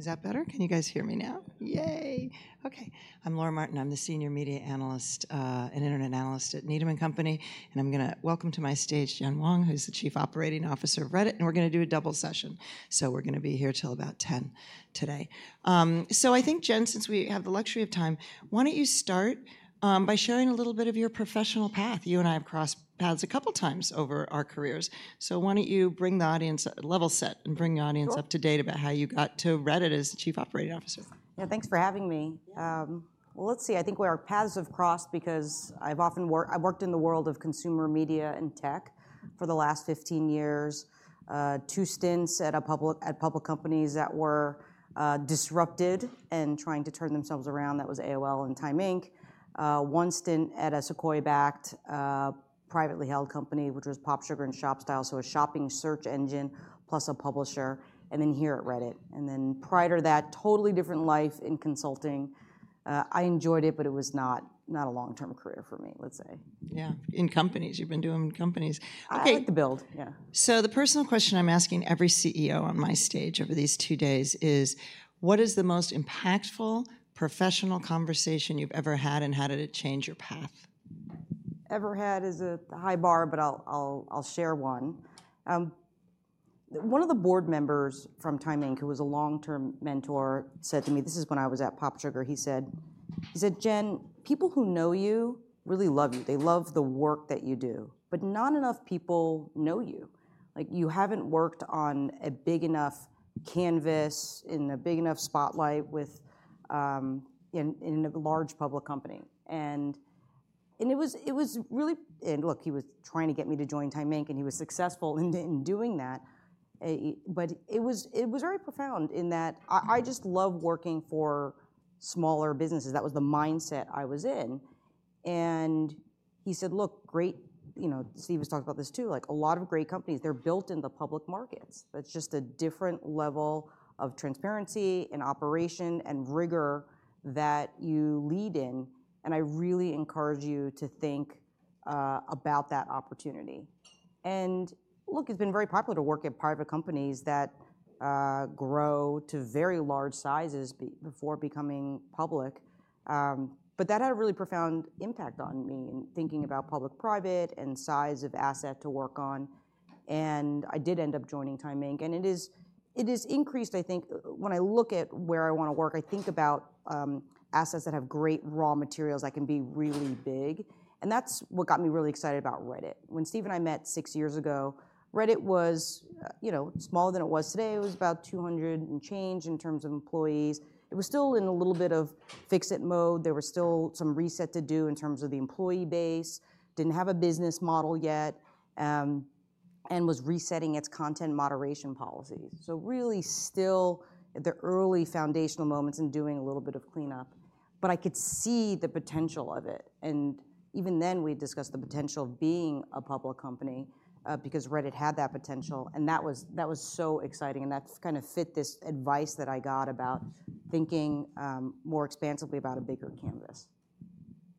Is that better? Can you guys hear me now? Yay! Okay, I'm Laura Martin. I'm the Senior Media and Internet Analyst at Needham & Company, and I'm gonna welcome to my stage Jen Wong, who's the Chief Operating Officer of Reddit, and we're gonna do a double session. So we're gonna be here till about ten today. I think, Jen, since we have the luxury of time, why don't you start by sharing a little bit of your professional path? You and I have crossed paths a couple times over our careers, so why don't you bring the audience, level set and bring the audience- Sure... up to date about how you got to Reddit as the Chief Operating Officer. Yeah, thanks for having me. Well, let's see. I think where our paths have crossed because I've often worked in the world of consumer media and tech for the last 15 years. Two stints at public companies that were disrupted and trying to turn themselves around. That was AOL and Time Inc. One stint at a Sequoia-backed privately held company, which was PopSugar and ShopStyle, so a shopping search engine plus a publisher, and then here at Reddit. Then, prior to that, totally different life in consulting. I enjoyed it, but it was not a long-term career for me, let's say. Yeah, in companies. You've been doing companies. Okay. I like to build, yeah. The personal question I'm asking every CEO on my stage over these two days is: What is the most impactful professional conversation you've ever had, and how did it change your path? Ever had is a high bar, but I'll share one. One of the board members from Time Inc., who was a long-term mentor, said to me... This is when I was at PopSugar. He said: "Jen, people who know you really love you. They love the work that you do, but not enough people know you. Like, you haven't worked on a big enough canvas, in a big enough spotlight with in a large public company." And it was really, and look, he was trying to get me to join Time Inc., and he was successful in doing that. But it was very profound in that I just love working for smaller businesses. That was the mindset I was in. And he said, "Look, great," you know, Steve was talking about this, too. Like, a lot of great companies, they're built in the public markets. That's just a different level of transparency and operation and rigor that you lead in, and I really encourage you to think about that opportunity." And look, it's been very popular to work at private companies that grow to very large sizes before becoming public. But that had a really profound impact on me in thinking about public/private and size of asset to work on, and I did end up joining Time Inc. And it is, it has increased, I think... When I look at where I want to work, I think about assets that have great raw materials that can be really big, and that's what got me really excited about Reddit. When Steve and I met six years ago, Reddit was smaller than it was today. It was about 200 and change in terms of employees. It was still in a little bit of fix-it mode. There was still some reset to do in terms of the employee base, didn't have a business model yet, and was resetting its content moderation policies. So really still the early foundational moments and doing a little bit of cleanup, but I could see the potential of it, and even then, we discussed the potential of being a public company, because Reddit had that potential, and that was, that was so exciting, and that kind of fit this advice that I got about thinking, more expansively about a bigger canvas.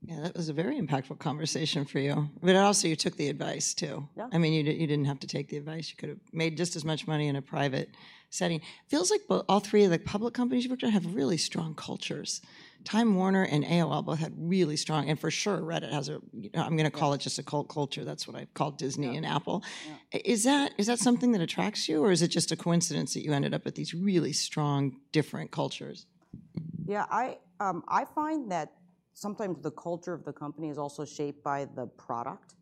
Yeah, that was a very impactful conversation for you, but also, you took the advice, too. Yeah. I mean, you didn't have to take the advice. You could have made just as much money in a private setting. Feels like all three of the public companies you've worked at have really strong cultures. Time Inc. and AOL both had really strong, and for sure, Reddit has a, I'm gonna call it just a cult culture. Yeah. That's what I call Disney- Yeah... and Apple. Yeah. Is that, is that something that attracts you, or is it just a coincidence that you ended up at these really strong, different cultures? Yeah, I find that sometimes the culture of the company is also shaped by the product,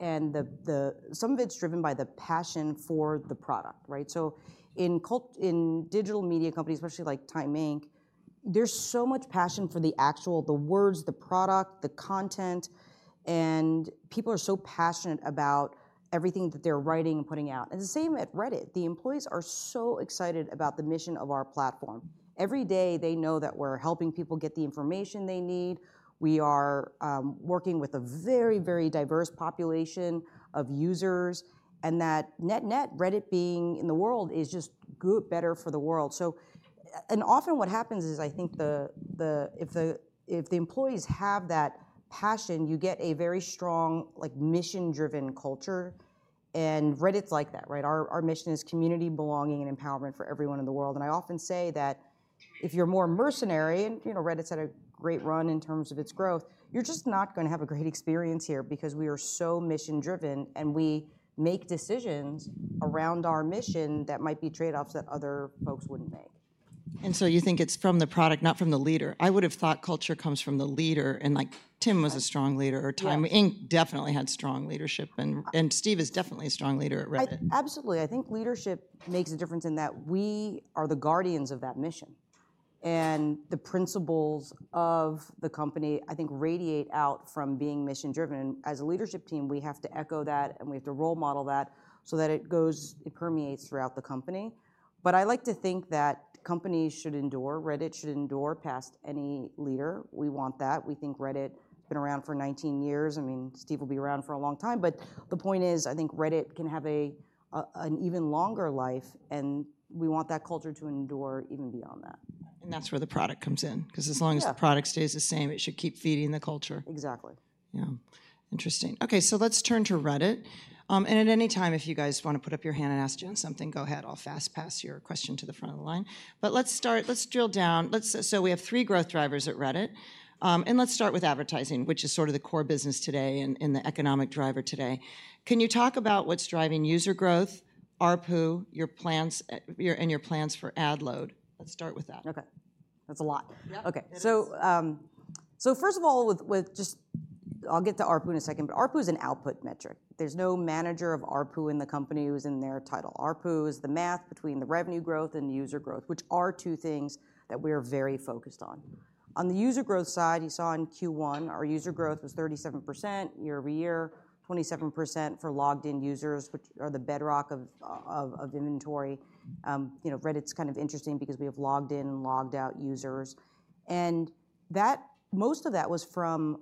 and the some of it's driven by the passion for the product, right? So in digital media companies, especially like Time Inc., there's so much passion for the actual, the words, the product, the content, and people are so passionate about everything that they're writing and putting out. And the same at Reddit. The employees are so excited about the mission of our platform. Every day, they know that we're helping people get the information they need. We are working with a very, very diverse population of users, and that net-net, Reddit being in the world is just better for the world. So, and often what happens is, I think, if the employees have that passion, you get a very strong, like, mission-driven culture, and Reddit's like that, right? Our mission is community, belonging, and empowerment for everyone in the world, and I often say that if you're more mercenary, and, you know, Reddit's had a great run in terms of its growth, you're just not gonna have a great experience here because we are so mission driven, and we make decisions around our mission that might be trade-offs that other folks wouldn't make. And so you think it's from the product, not from the leader? I would have thought culture comes from the leader, and, like, Tim was a strong leader- Yeah... or Time Inc. definitely had strong leadership, and Steve is definitely a strong leader at Reddit. Absolutely. I think leadership makes a difference in that we are the guardians of that mission, and the principles of the company, I think, radiate out from being mission driven. As a leadership team, we have to echo that, and we have to role model that so that it goes—it permeates throughout the company. But I like to think that companies should endure. Reddit should endure past any leader. We want that. We think Reddit, been around for 19 years, I mean, Steve will be around for a long time, but the point is, I think Reddit can have an even longer life, and we want that culture to endure even beyond that.... And that's where the product comes in, 'cause as long as- Yeah The product stays the same, it should keep feeding the culture. Exactly. Yeah. Interesting. Okay, so let's turn to Reddit. At any time, if you guys want to put up your hand and ask Jen something, go ahead. I'll fast pass your question to the front of the line. But let's start, let's drill down. So we have three growth drivers at Reddit. Let's start with advertising, which is sort of the core business today and, and the economic driver today. Can you talk about what's driving user growth, ARPU, your plans, and your plans for ad load? Let's start with that. Okay. That's a lot. Yep. Okay. It is. So first of all, I'll get to ARPU in a second, but ARPU is an output metric. There's no manager of ARPU in the company who's in their title. ARPU is the math between the revenue growth and the user growth, which are two things that we are very focused on. On the user growth side, you saw in Q1, our user growth was 37% year over year, 27% for logged-in users, which are the bedrock of inventory. You know, Reddit's kind of interesting because we have logged-in and logged-out users, and that most of that was from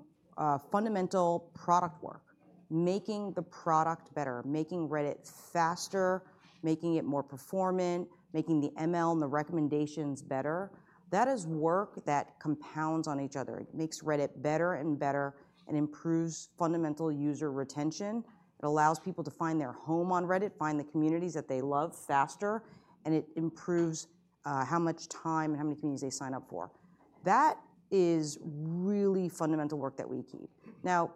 fundamental product work, making the product better, making Reddit faster, making it more performant, making the ML and the recommendations better. That is work that compounds on each other. It makes Reddit better and better and improves fundamental user retention. It allows people to find their home on Reddit, find the communities that they love faster, and it improves how much time and how many communities they sign up for. That is really fundamental work that we keep. Now,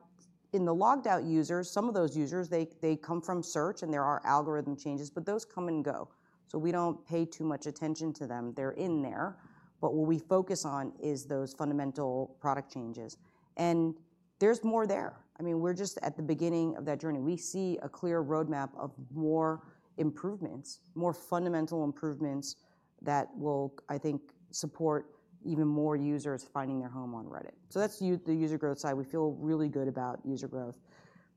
in the logged-out users, some of those users, they come from search, and there are algorithm changes, but those come and go, so we don't pay too much attention to them. They're in there, but what we focus on is those fundamental product changes, and there's more there. I mean, we're just at the beginning of that journey. We see a clear roadmap of more improvements, more fundamental improvements that will, I think, support even more users finding their home on Reddit. So that's the user growth side. We feel really good about user growth.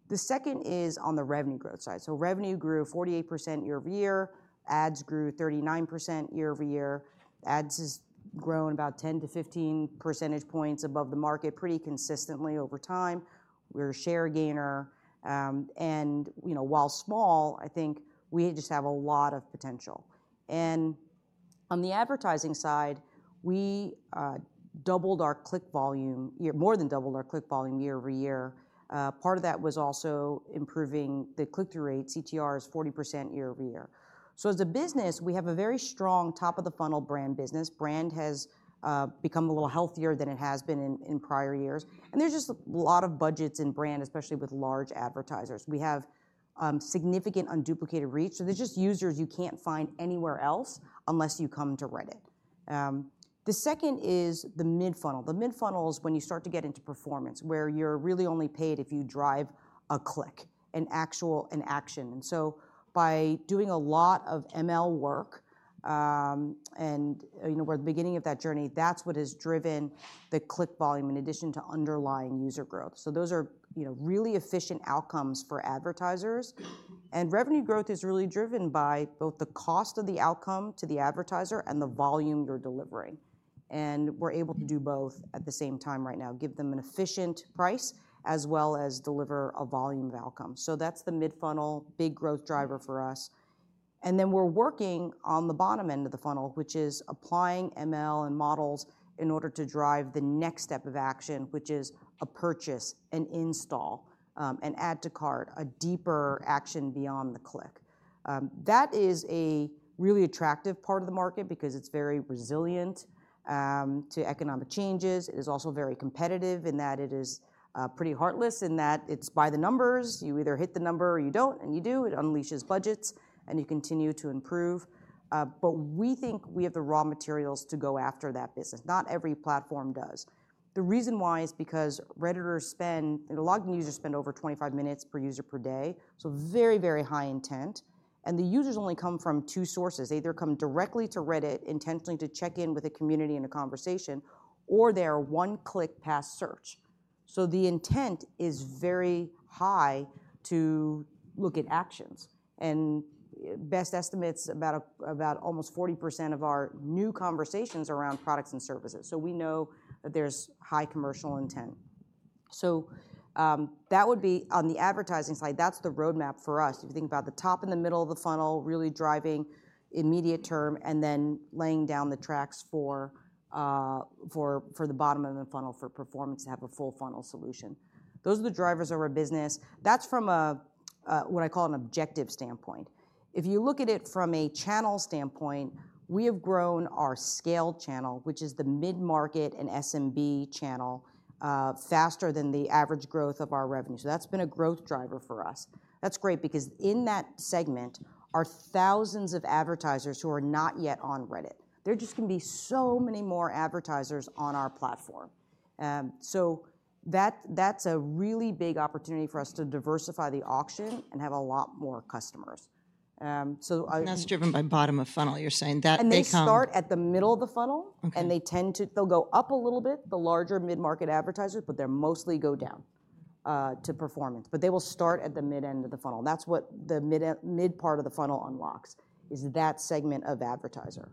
The second is on the revenue growth side. So revenue grew 48% year-over-year. Ads grew 39% year-over-year. Ads has grown about 10 to 15 percentage points above the market pretty consistently over time. We're a share gainer. And, you know, while small, I think we just have a lot of potential. And on the advertising side, we more than doubled our click volume year-over-year. Part of that was also improving the click-through rate. CTR is 40% year-over-year. So as a business, we have a very strong top-of-the-funnel brand business. Brand has become a little healthier than it has been in prior years, and there's just a lot of budgets in brand, especially with large advertisers. We have significant unduplicated reach, so they're just users you can't find anywhere else unless you come to Reddit. The second is the mid-funnel. The mid-funnel is when you start to get into performance, where you're really only paid if you drive a click, an actual, an action. And so by doing a lot of ML work, and, you know, we're at the beginning of that journey, that's what has driven the click volume, in addition to underlying user growth. So those are, you know, really efficient outcomes for advertisers, and revenue growth is really driven by both the cost of the outcome to the advertiser and the volume you're delivering, and we're able to do both at the same time right now, give them an efficient price, as well as deliver a volume of outcome. So that's the mid-funnel, big growth driver for us. And then we're working on the bottom end of the funnel, which is applying ML and models in order to drive the next step of action, which is a purchase, an install, an add to cart, a deeper action beyond the click. That is a really attractive part of the market because it's very resilient to economic changes. It is also very competitive in that it is pretty heartless, in that it's by the numbers. You either hit the number or you don't, and you do, it unleashes budgets, and you continue to improve. But we think we have the raw materials to go after that business. Not every platform does. The reason why is because Redditors spend... The logged-in users spend over 25 minutes per user per day, so very, very high intent. And the users only come from two sources. They either come directly to Reddit, intentionally to check in with a community and a conversation, or they are one click past search. So the intent is very high to look at actions, and best estimates about almost 40% of our new conversations are around products and services, so we know that there's high commercial intent. So that would be, on the advertising side, that's the roadmap for us. If you think about the top and the middle of the funnel, really driving immediate term and then laying down the tracks for the bottom of the funnel, for performance to have a full funnel solution. Those are the drivers of our business. That's from a what I call an objective standpoint. If you look at it from a channel standpoint, we have grown our scale channel, which is the mid-market and SMB channel, faster than the average growth of our revenue. So that's been a growth driver for us. That's great, because in that segment are thousands of advertisers who are not yet on Reddit. There just can be so many more advertisers on our platform. So that, that's a really big opportunity for us to diversify the auction and have a lot more customers. That's driven by bottom of funnel, you're saying. That they come- They start at the middle of the funnel- Okay. And they tend to... They'll go up a little bit, the larger mid-market advertisers, but they mostly go down to performance. But they will start at the mid-end of the funnel. That's what the mid-end, mid part of the funnel unlocks, is that segment of advertiser.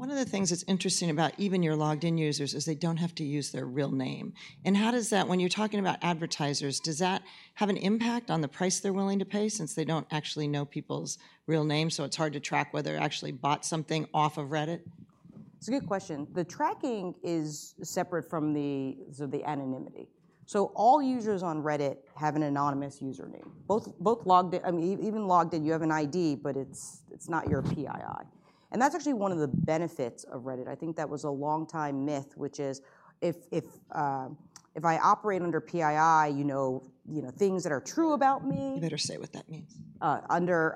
One of the things that's interesting about even your logged-in users is they don't have to use their real name. When you're talking about advertisers, does that have an impact on the price they're willing to pay, since they don't actually know people's real names, so it's hard to track whether they actually bought something off of Reddit?... It's a good question. The tracking is separate from the, so the anonymity. So all users on Reddit have an anonymous username, both logged in, I mean, even logged in, you have an ID, but it's, it's not your PII. And that's actually one of the benefits of Reddit. I think that was a long time myth, which is, if, if I operate under PII, you know, you know things that are true about me- You better say what that means. Under,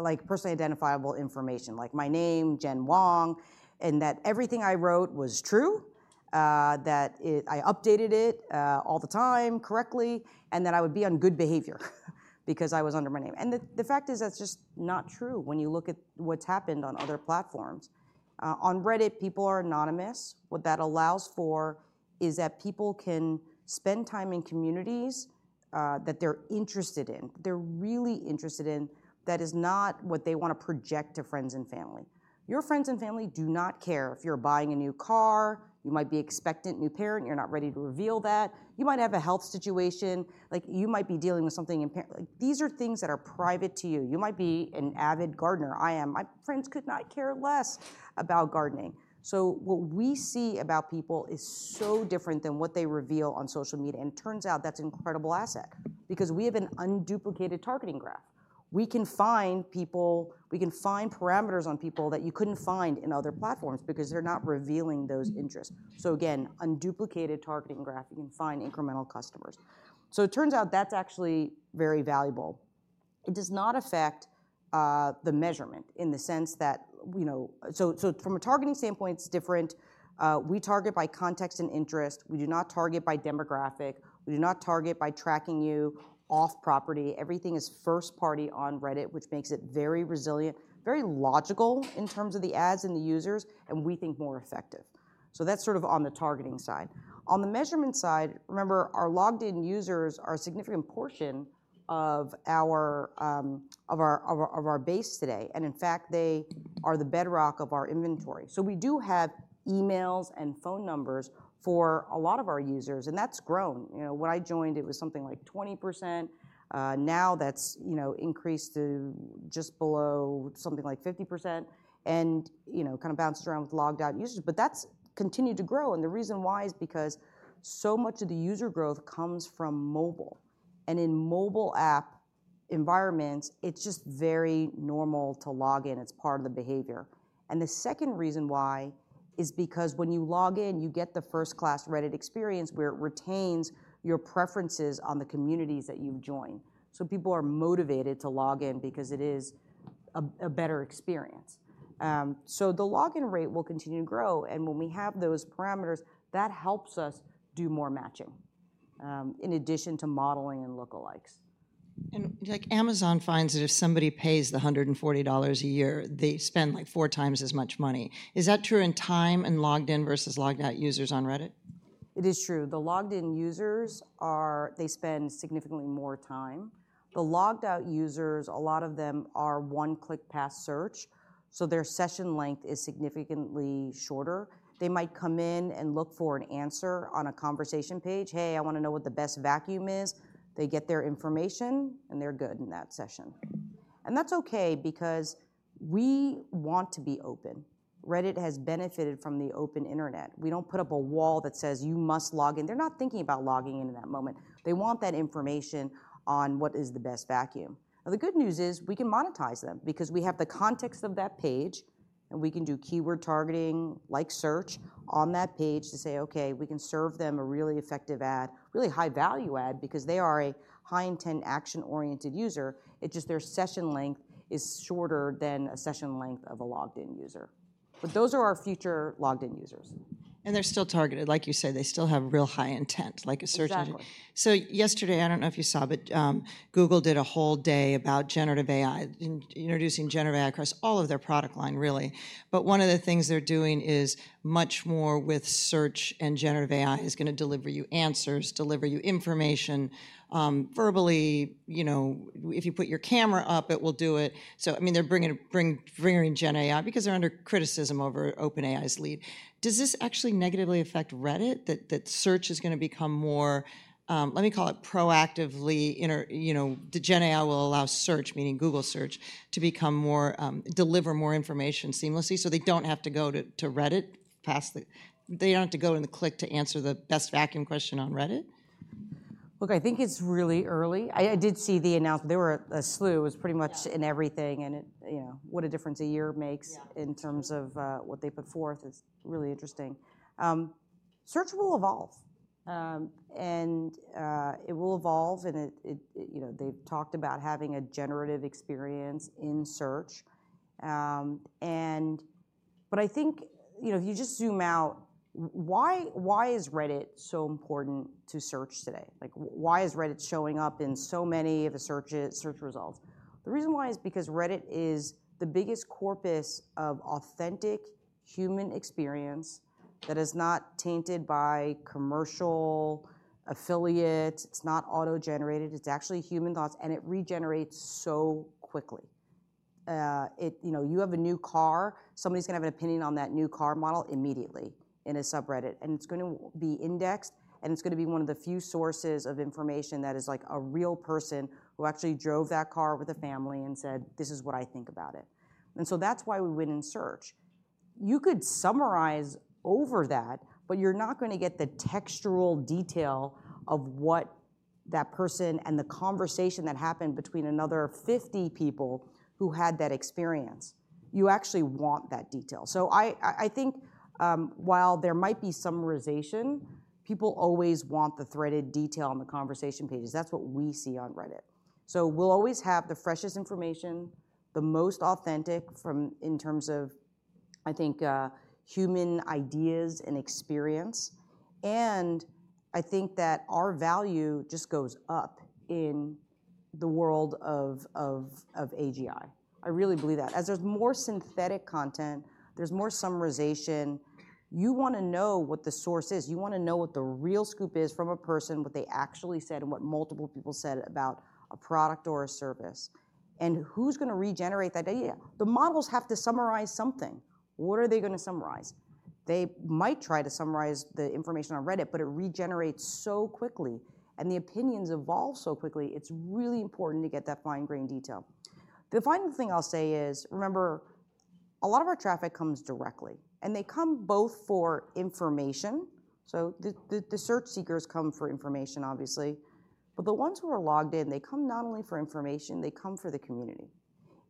like, personally identifiable information, like my name, Jen Wong, and that everything I wrote was true, that it... I updated it all the time correctly, and that I would be on good behavior because I was under my name. The fact is, that's just not true when you look at what's happened on other platforms. On Reddit, people are anonymous. What that allows for is that people can spend time in communities that they're interested in, they're really interested in, that is not what they want to project to friends and family. Your friends and family do not care if you're buying a new car. You might be expectant new parent, and you're not ready to reveal that. You might have a health situation, like you might be dealing with something. Like, these are things that are private to you. You might be an avid gardener. I am. My friends could not care less about gardening. So what we see about people is so different than what they reveal on social media, and it turns out that's an incredible asset because we have an unduplicated targeting graph. We can find people, we can find parameters on people that you couldn't find in other platforms because they're not revealing those interests. So again, unduplicated targeting graph, you can find incremental customers. So it turns out that's actually very valuable. It does not affect the measurement in the sense that, you know... So, so from a targeting standpoint, it's different. We target by context and interest. We do not target by demographic. We do not target by tracking you off property. Everything is first party on Reddit, which makes it very resilient, very logical in terms of the ads and the users, and we think more effective. So that's sort of on the targeting side. On the measurement side, remember, our logged-in users are a significant portion of our base today, and in fact, they are the bedrock of our inventory. So we do have emails and phone numbers for a lot of our users, and that's grown. You know, when I joined, it was something like 20%. Now that's, you know, increased to just below something like 50% and, you know, kind of bounced around with logged-out users. But that's continued to grow, and the reason why is because so much of the user growth comes from mobile, and in mobile app environments, it's just very normal to log in. It's part of the behavior. And the second reason why is because when you log in, you get the first-class Reddit experience, where it retains your preferences on the communities that you've joined. So people are motivated to log in because it is a better experience. So the login rate will continue to grow, and when we have those parameters, that helps us do more matching, in addition to modeling and lookalikes. Like Amazon finds that if somebody pays the $140 a year, they spend like 4 times as much money. Is that true in time and logged in versus logged-out users on Reddit? It is true. The logged-in users are. They spend significantly more time. The logged-out users, a lot of them are one click past search, so their session length is significantly shorter. They might come in and look for an answer on a conversation page: "Hey, I want to know what the best vacuum is." They get their information, and they're good in that session. And that's okay because we want to be open. Reddit has benefited from the open internet. We don't put up a wall that says, "You must log in." They're not thinking about logging in at that moment. They want that information on what is the best vacuum. Now, the good news is we can monetize them because we have the context of that page, and we can do keyword targeting, like search, on that page to say, "Okay, we can serve them a really effective ad, really high-value ad," because they are a high-intent, action-oriented user. It's just their session length is shorter than a session length of a logged-in user. But those are our future logged-in users. They're still targeted. Like you said, they still have real high intent, like a search engine. Exactly. So yesterday, I don't know if you saw, but Google did a whole day about generative AI, introducing generative AI across all of their product line, really. But one of the things they're doing is much more with search, and generative AI is going to deliver you answers, deliver you information, verbally. You know, if you put your camera up, it will do it. So, I mean, they're bringing gen AI because they're under criticism over OpenAI's lead. Does this actually negatively affect Reddit, that search is going to become more, let me call it proactively interactive. You know, the gen AI will allow search, meaning Google search, to become more, deliver more information seamlessly, so they don't have to go to Reddit past the. They don't have to go in the click to answer the best vacuum question on Reddit? Look, I think it's really early. I, I did see the announcement. There were a slew, it was pretty much- Yeah... in everything, and it, you know, what a difference a year makes- Yeah... in terms of, what they put forth. It's really interesting. Search will evolve, and, it will evolve, and it, it, you know, they've talked about having a generative experience in search. And but I think, you know, if you just zoom out, why, why is Reddit so important to search today? Like, why is Reddit showing up in so many of the searches, search results? The reason why is because Reddit is the biggest corpus of authentic human experience that is not tainted by commercial affiliates. It's not auto-generated. It's actually human thoughts, and it regenerates so quickly. You know, you have a new car, somebody's going to have an opinion on that new car model immediately in a subreddit, and it's going to be indexed, and it's going to be one of the few sources of information that is like a real person who actually drove that car with the family and said, "This is what I think about it." And so that's why we win in search... you could summarize over that, but you're not going to get the textural detail of what that person and the conversation that happened between another 50 people who had that experience. You actually want that detail. So I think, while there might be summarization, people always want the threaded detail on the conversation pages. That's what we see on Reddit. So we'll always have the freshest information, the most authentic, from in terms of, I think, human ideas and experience, and I think that our value just goes up in the world of AGI. I really believe that. As there's more synthetic content, there's more summarization, you want to know what the source is. You want to know what the real scoop is from a person, what they actually said, and what multiple people said about a product or a service, and who's going to regenerate that data? The models have to summarize something. What are they going to summarize? They might try to summarize the information on Reddit, but it regenerates so quickly, and the opinions evolve so quickly. It's really important to get that fine-grain detail. The final thing I'll say is, remember, a lot of our traffic comes directly, and they come both for information, so the search seekers come for information, obviously, but the ones who are logged in, they come not only for information, they come for the community.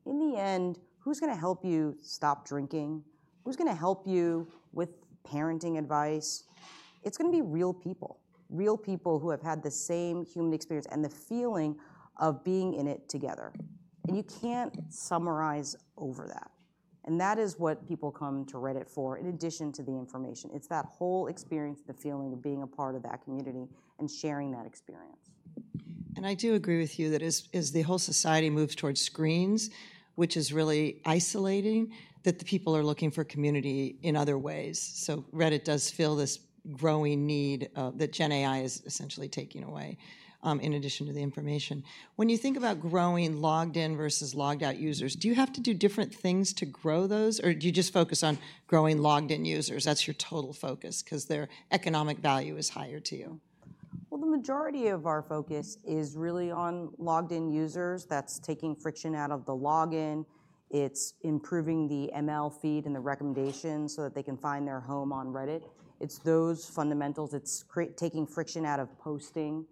In the end, who's going to help you stop drinking? Who's going to help you with parenting advice? It's going to be real people, real people who have had the same human experience and the feeling of being in it together, and you can't summarize over that, and that is what people come to Reddit for, in addition to the information. It's that whole experience, the feeling of being a part of that community and sharing that experience. I do agree with you that as the whole society moves towards screens, which is really isolating, that the people are looking for community in other ways. So Reddit does fill this growing need that gen AI is essentially taking away, in addition to the information. When you think about growing logged in versus logged-out users, do you have to do different things to grow those, or do you just focus on growing logged-in users, that's your total focus because their economic value is higher to you? Well, the majority of our focus is really on logged-in users. That's taking friction out of the login. It's improving the ML feed and the recommendations so that they can find their home on Reddit. It's those fundamentals. It's taking friction out of posting.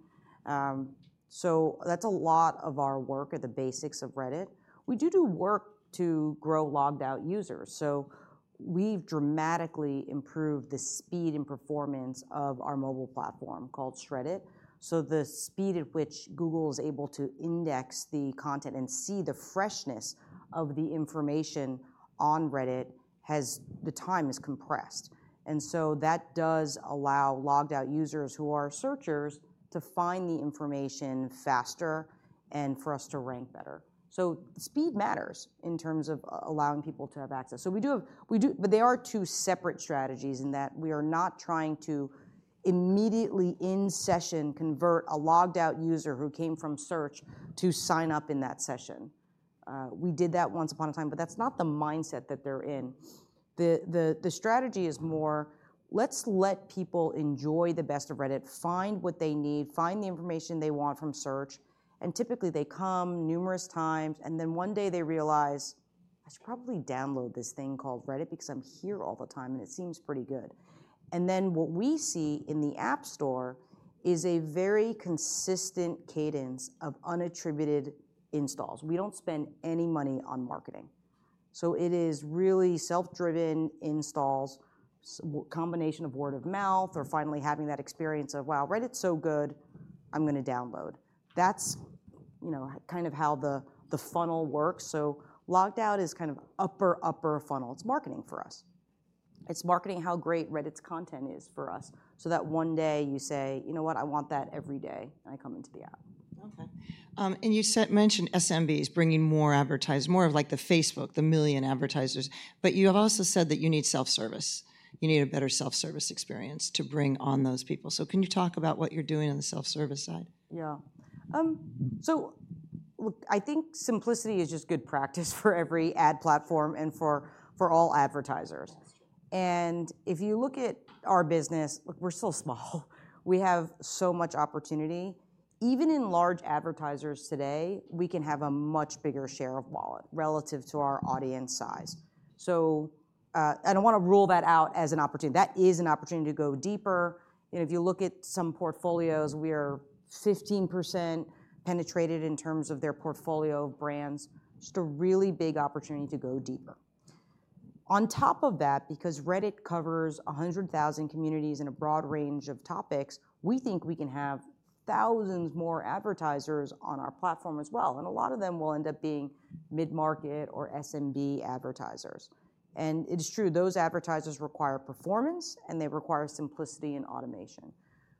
So that's a lot of our work are the basics of Reddit. We do do work to grow logged-out users, so we've dramatically improved the speed and performance of our mobile platform, called Shreddit. So the speed at which Google is able to index the content and see the freshness of the information on Reddit has... The time is compressed, and so that does allow logged-out users who are searchers to find the information faster and for us to rank better. So speed matters in terms of allowing people to have access. So we do have. But they are two separate strategies in that we are not trying to immediately in session, convert a logged-out user who came from search to sign up in that session. We did that once upon a time, but that's not the mindset that they're in. The strategy is more, let's let people enjoy the best of Reddit, find what they need, find the information they want from search, and typically, they come numerous times, and then one day they realize, "I should probably download this thing called Reddit, because I'm here all the time, and it seems pretty good." And then, what we see in the app store is a very consistent cadence of unattributed installs. We don't spend any money on marketing, so it is really self-driven installs, with combination of word of mouth or finally having that experience of, "Wow, Reddit's so good, I'm going to download." That's, you know, kind of how the, the funnel works. So logged out is kind of upper, upper funnel. It's marketing for us. It's marketing how great Reddit's content is for us, so that one day you say, "You know what? I want that every day," and I come into the app. Okay. And you mentioned SMBs bringing more of like the Facebook, the million advertisers, but you have also said that you need self-service. You need a better self-service experience to bring on those people. So can you talk about what you're doing on the self-service side? Yeah. So look, I think simplicity is just good practice for every ad platform and for all advertisers. That's true. If you look at our business, look, we're still small. We have so much opportunity. Even in large advertisers today, we can have a much bigger share of wallet relative to our audience size. So, I don't want to rule that out as an opportunity. That is an opportunity to go deeper. And if you look at some portfolios, we are 15% penetrated in terms of their portfolio of brands. Just a really big opportunity to go deeper. On top of that, because Reddit covers 100,000 communities in a broad range of topics, we think we can have thousands more advertisers on our platform as well, and a lot of them will end up being mid-market or SMB advertisers. And it is true, those advertisers require performance, and they require simplicity and automation.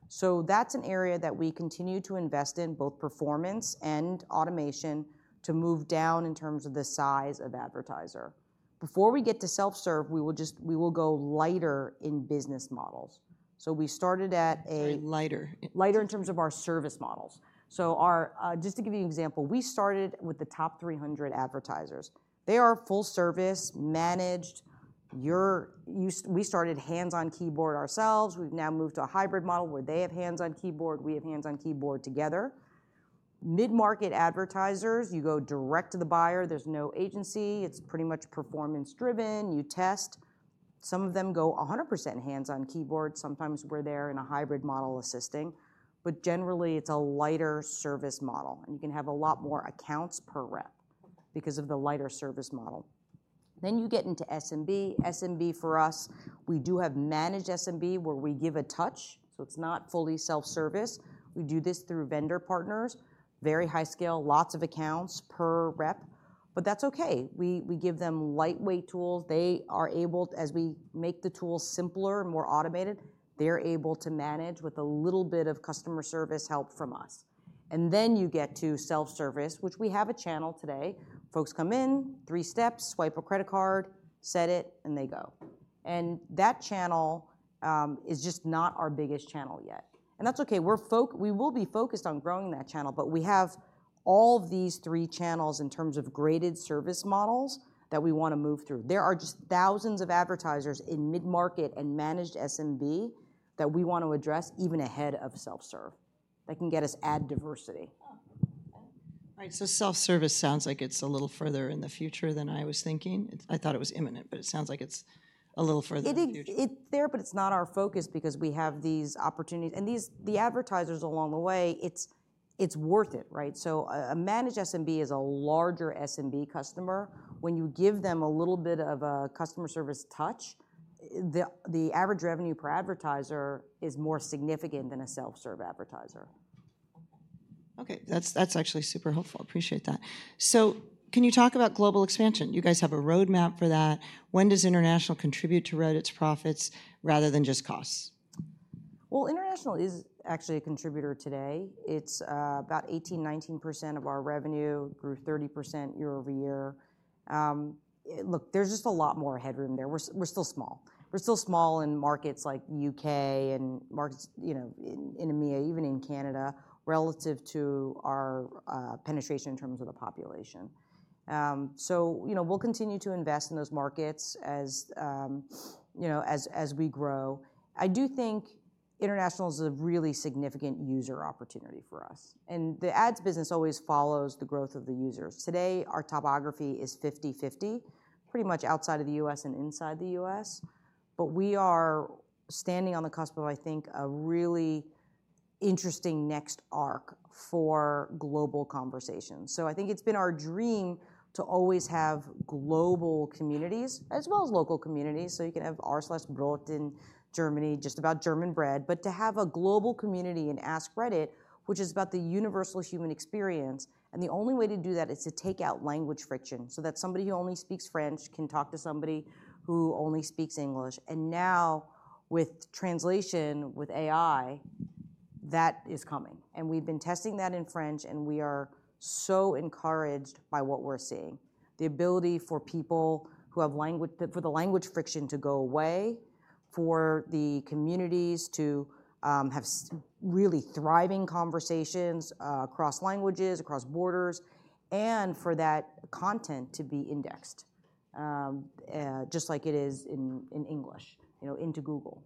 So that's an area that we continue to invest in, both performance and automation, to move down in terms of the size of advertiser. Before we get to self-serve, we will just-- we will go lighter in business models. So we started at a- Sorry, lighter? Lighter in terms of our service models. So our... Just to give you an example, we started with the top 300 advertisers. They are full service, managed. We started hands-on keyboard ourselves. We've now moved to a hybrid model, where they have hands-on keyboard, we have hands-on keyboard together... mid-market advertisers, you go direct to the buyer, there's no agency, it's pretty much performance driven. You test. Some of them go 100% hands-on keyboard, sometimes we're there in a hybrid model assisting, but generally it's a lighter service model, and you can have a lot more accounts per rep because of the lighter service model. Then you get into SMB. SMB for us, we do have managed SMB, where we give a touch, so it's not fully self-service. We do this through vendor partners. Very high scale, lots of accounts per rep, but that's okay. We give them lightweight tools. As we make the tools simpler and more automated, they're able to manage with a little bit of customer service help from us. And then you get to self-service, which we have a channel today. Folks come in, three steps, swipe a credit card, set it, and they go. And that channel is just not our biggest channel yet, and that's okay. We will be focused on growing that channel, but we have all these three channels in terms of graded service models that we wanna move through. There are just thousands of advertisers in mid-market and managed SMB that we want to address even ahead of self-serve, that can get us ad diversity. Oh, all right, so self-service sounds like it's a little further in the future than I was thinking. It—I thought it was imminent, but it sounds like it's a little further in the future. It is there, but it's not our focus because we have these opportunities. And these, the advertisers along the way, it's worth it, right? So a managed SMB is a larger SMB customer. When you give them a little bit of a customer service touch, the average revenue per advertiser is more significant than a self-serve advertiser. Okay, that's actually super helpful. Appreciate that. So can you talk about global expansion? You guys have a roadmap for that. When does international contribute to Reddit's profits rather than just costs? Well, international is actually a contributor today. It's about 18% to 19% of our revenue, grew 30% year-over-year. Look, there's just a lot more headroom there. We're still, we're still small. We're still small in markets like U.K. and markets, you know, in, in EMEA, even in Canada, relative to our penetration in terms of the population. So, you know, we'll continue to invest in those markets as, you know, as, as we grow. I do think international is a really significant user opportunity for us, and the ads business always follows the growth of the users. Today, our demography is 50/50, pretty much outside of the U.S. and inside the U.S., but we are standing on the cusp of, I think, a really interesting next arc for global conversation. So I think it's been our dream to always have global communities as well as local communities, so you can have r/Brot in Germany, just about German bread, but to have a global community in AskReddit, which is about the universal human experience, and the only way to do that is to take out language friction, so that somebody who only speaks French can talk to somebody who only speaks English. And now, with translation, with AI, that is coming, and we've been testing that in French, and we are so encouraged by what we're seeing. The ability for the language friction to go away, for the communities to have really thriving conversations across languages, across borders, and for that content to be indexed just like it is in English, you know, into Google,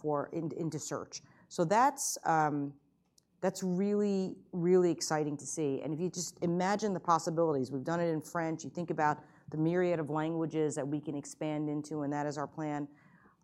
for... in, into search. So that's really, really exciting to see. And if you just imagine the possibilities, we've done it in French, you think about the myriad of languages that we can expand into, and that is our plan.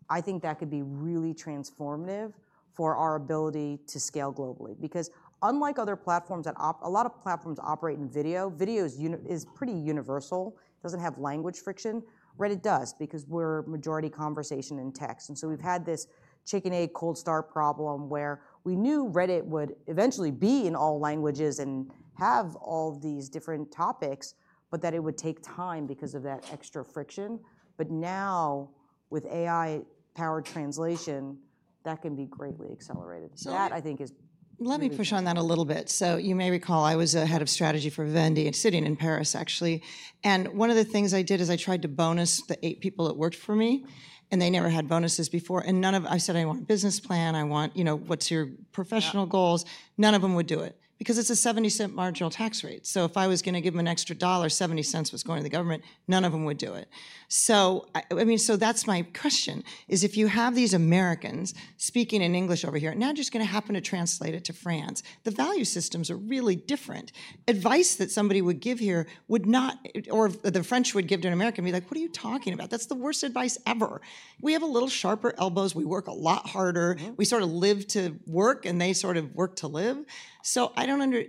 I think that could be really transformative for our ability to scale globally, because unlike other platforms, a lot of platforms operate in video. Video is pretty universal, doesn't have language friction. Reddit does, because we're majority conversation and text, and so we've had this chicken and egg cold start problem where we knew Reddit would eventually be in all languages and have all these different topics, but that it would take time because of that extra friction. But now, with AI-powered translation, that can be greatly accelerated. So that, I think, is- Let me push on that a little bit. So you may recall, I was the head of strategy for Vivendi, and sitting in Paris, actually, and one of the things I did is I tried to bonus the eight people that worked for me, and they never had bonuses before, and none of... I said, "I want a business plan, I want, you know, what's your professional goals? Yeah. None of them would do it, because it's a 70-cent marginal tax rate. So if I was going to give them an extra dollar, 70 cents was going to the government, none of them would do it. So, I mean, so that's my question, is if you have these Americans speaking in English over here, now I'm just going to happen to translate it to France, the value systems are really different. Advice that somebody would give here would not—or the French would give to an American, and be like: What are you talking about? That's the worst advice ever. We have a little sharper elbows. We work a lot harder. Mm-hmm. We sort of live to work, and they sort of work to live.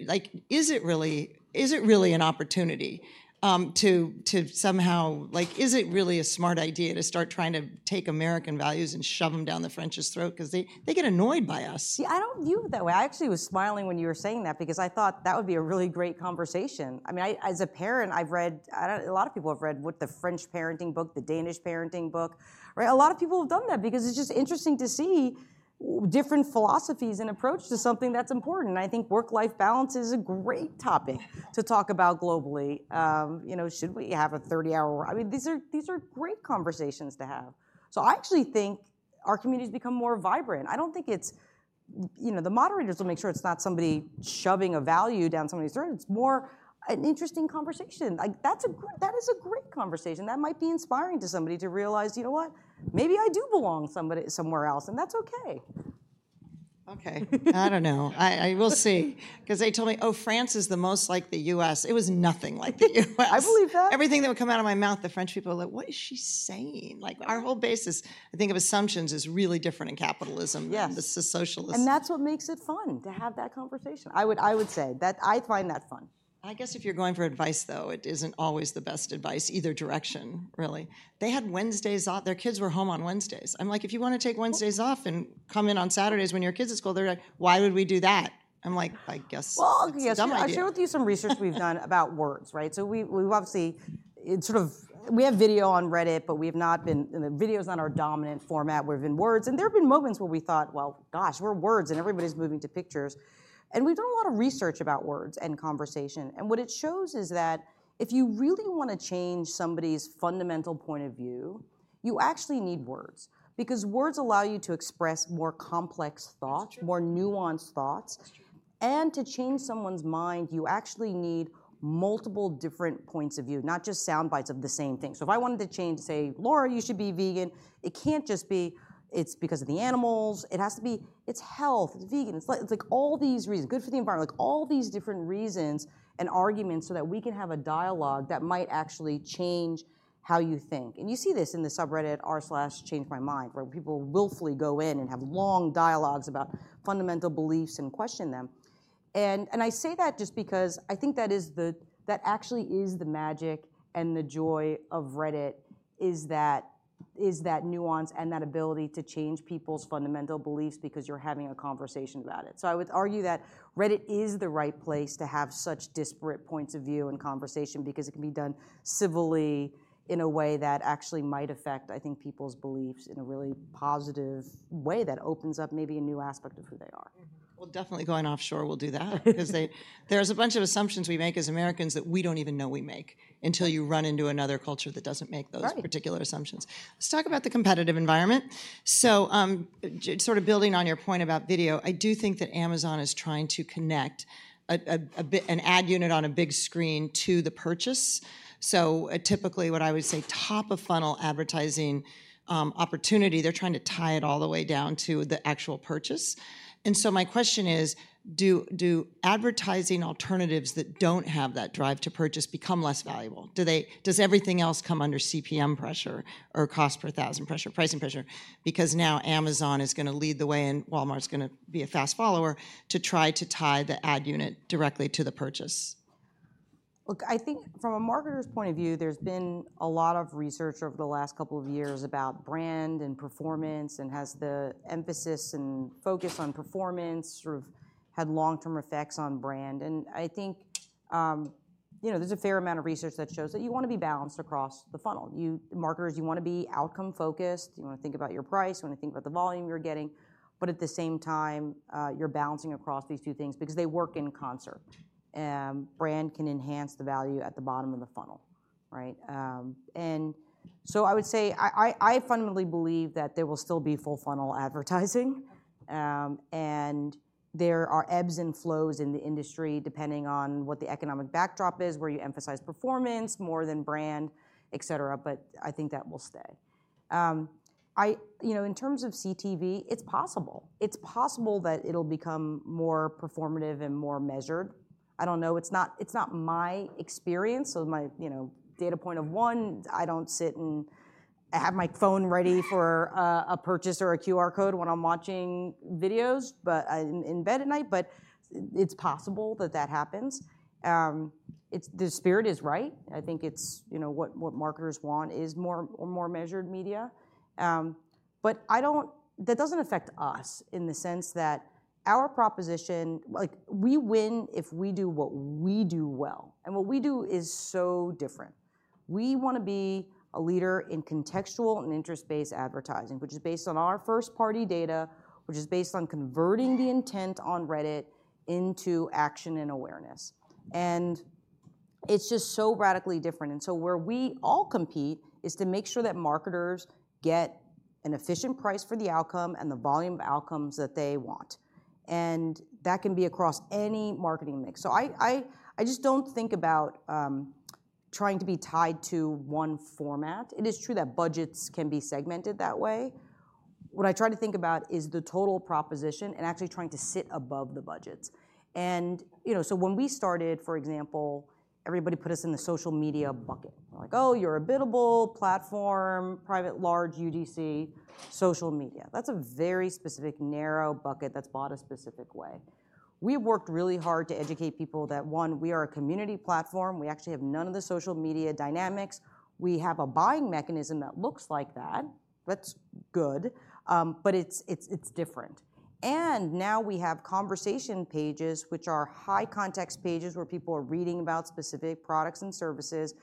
Like, is it really, is it really an opportunity to somehow... Like, is it really a smart idea to start trying to take American values and shove them down the French's throat? Because they get annoyed by us. See, I don't view it that way. I actually was smiling when you were saying that, because I thought that would be a really great conversation. I mean, I, as a parent, I've read, I don't-- A lot of people have read what, the French parenting book, the Danish parenting book, right? A lot of people have done that because it's just interesting to see different philosophies and approach to something that's important, and I think work-life balance is a great topic to talk about globally. You know, should we have a 30-hour week? I mean, these are, these are great conversations to have. So I actually think our community's become more vibrant. I don't think it's... You know, the moderators will make sure it's not somebody shoving a value down somebody's throat. It's more an interesting conversation. Like, that's a good-- That is a great conversation. That might be inspiring to somebody to realize, "You know what? Maybe I do belong somewhere else," and that's okay.... Okay. I don't know. I, I will see, 'cause they told me, "Oh, France is the most like the U.S." It was nothing like the U.S. I believe that! Everything that would come out of my mouth, the French people were like: "What is she saying?" Like, our whole basis, I think, of assumptions is really different in capitalism- Yes. than it is to socialism. That's what makes it fun, to have that conversation. I would, I would say, that I find that fun. I guess if you're going for advice, though, it isn't always the best advice, either direction, really. They had Wednesdays off. Their kids were home on Wednesdays. I'm like: "If you want to take Wednesdays off and come in on Saturdays when your kids are at school..." They're like: "Why would we do that?" I'm like, "I guess it's a dumb idea. Well, yes, I'll share with you some research we've done about words, right? So we have video on Reddit, but we have not been, video is not our dominant format. We're in words, and there have been moments where we thought: "Well, gosh, we're words, and everybody's moving to pictures." And we've done a lot of research about words and conversation, and what it shows is that if you really want to change somebody's fundamental point of view, you actually need words, because words allow you to express more complex thoughts- That's true. more nuanced thoughts. That's true. And to change someone's mind, you actually need multiple different points of view, not just sound bites of the same thing. If I wanted to change, say, "Laura, you should be vegan," it can't just be: it's because of the animals. It has to be: it's health, it's vegan. It's like all these reasons, good for the environment, like, all these different reasons and arguments, so that we can have a dialogue that might actually change how you think. And you see this in the subreddit, r/ChangeMyMind, where people willfully go in and have long dialogues about fundamental beliefs and question them. And I say that just because I think that is the, that actually is the magic and the joy of Reddit, is that, is that nuance and that ability to change people's fundamental beliefs because you're having a conversation about it. I would argue that Reddit is the right place to have such disparate points of view and conversation, because it can be done civilly, in a way that actually might affect, I think, people's beliefs in a really positive way that opens up maybe a new aspect of who they are. Mm-hmm. Well, definitely going offshore will do that. Because there's a bunch of assumptions we make as Americans that we don't even know we make, until you run into another culture that doesn't make those- Right... particular assumptions. Let's talk about the competitive environment. So, just sort of building on your point about video, I do think that Amazon is trying to connect an ad unit on a big screen to the purchase. So, typically, what I would say, top-of-funnel advertising opportunity, they're trying to tie it all the way down to the actual purchase. And so my question is: do advertising alternatives that don't have that drive to purchase become less valuable? Does everything else come under CPM pressure or cost per thousand pressure, pricing pressure? Because now Amazon is gonna lead the way, and Walmart's gonna be a fast follower, to try to tie the ad unit directly to the purchase. Look, I think from a marketer's point of view, there's been a lot of research over the last couple of years about brand and performance, and has the emphasis and focus on performance sort of had long-term effects on brand. And I think, you know, there's a fair amount of research that shows that you want to be balanced across the funnel. You, marketers, you want to be outcome focused, you want to think about your price, you want to think about the volume you're getting, but at the same time, you're balancing across these two things because they work in concert. Brand can enhance the value at the bottom of the funnel, right? And so I would say, I fundamentally believe that there will still be full-funnel advertising. And there are ebbs and flows in the industry, depending on what the economic backdrop is, where you emphasize performance more than brand, etcetera, but I think that will stay. You know, in terms of CTV, it's possible. It's possible that it'll become more performative and more measured. I don't know. It's not, it's not my experience, so my, you know, data point of one, I don't sit and have my phone ready for a purchase or a QR code when I'm watching videos, but in bed at night, but it's possible that that happens. It's the spirit is right. I think it's, you know, what marketers want is more measured media. But I don't, that doesn't affect us in the sense that our proposition, like, we win if we do what we do well, and what we do is so different. We want to be a leader in contextual and interest-based advertising, which is based on our first-party data, which is based on converting the intent on Reddit into action and awareness. And it's just so radically different. And so where we all compete is to make sure that marketers get an efficient price for the outcome and the volume of outcomes that they want. And that can be across any marketing mix. So I just don't think about trying to be tied to one format. It is true that budgets can be segmented that way. What I try to think about is the total proposition and actually trying to sit above the budgets. And, you know, so when we started, for example, everybody put us in the social media bucket. Like: "Oh, you're a biddable platform, private, large UGC, social media." That's a very specific, narrow bucket that's bought a specific way. We worked really hard to educate people that, one, we are a community platform. We actually have none of the social media dynamics. We have a buying mechanism that looks like that, that's good, but it's different. And now we have conversation pages, which are high-context pages where people are reading about specific products and services,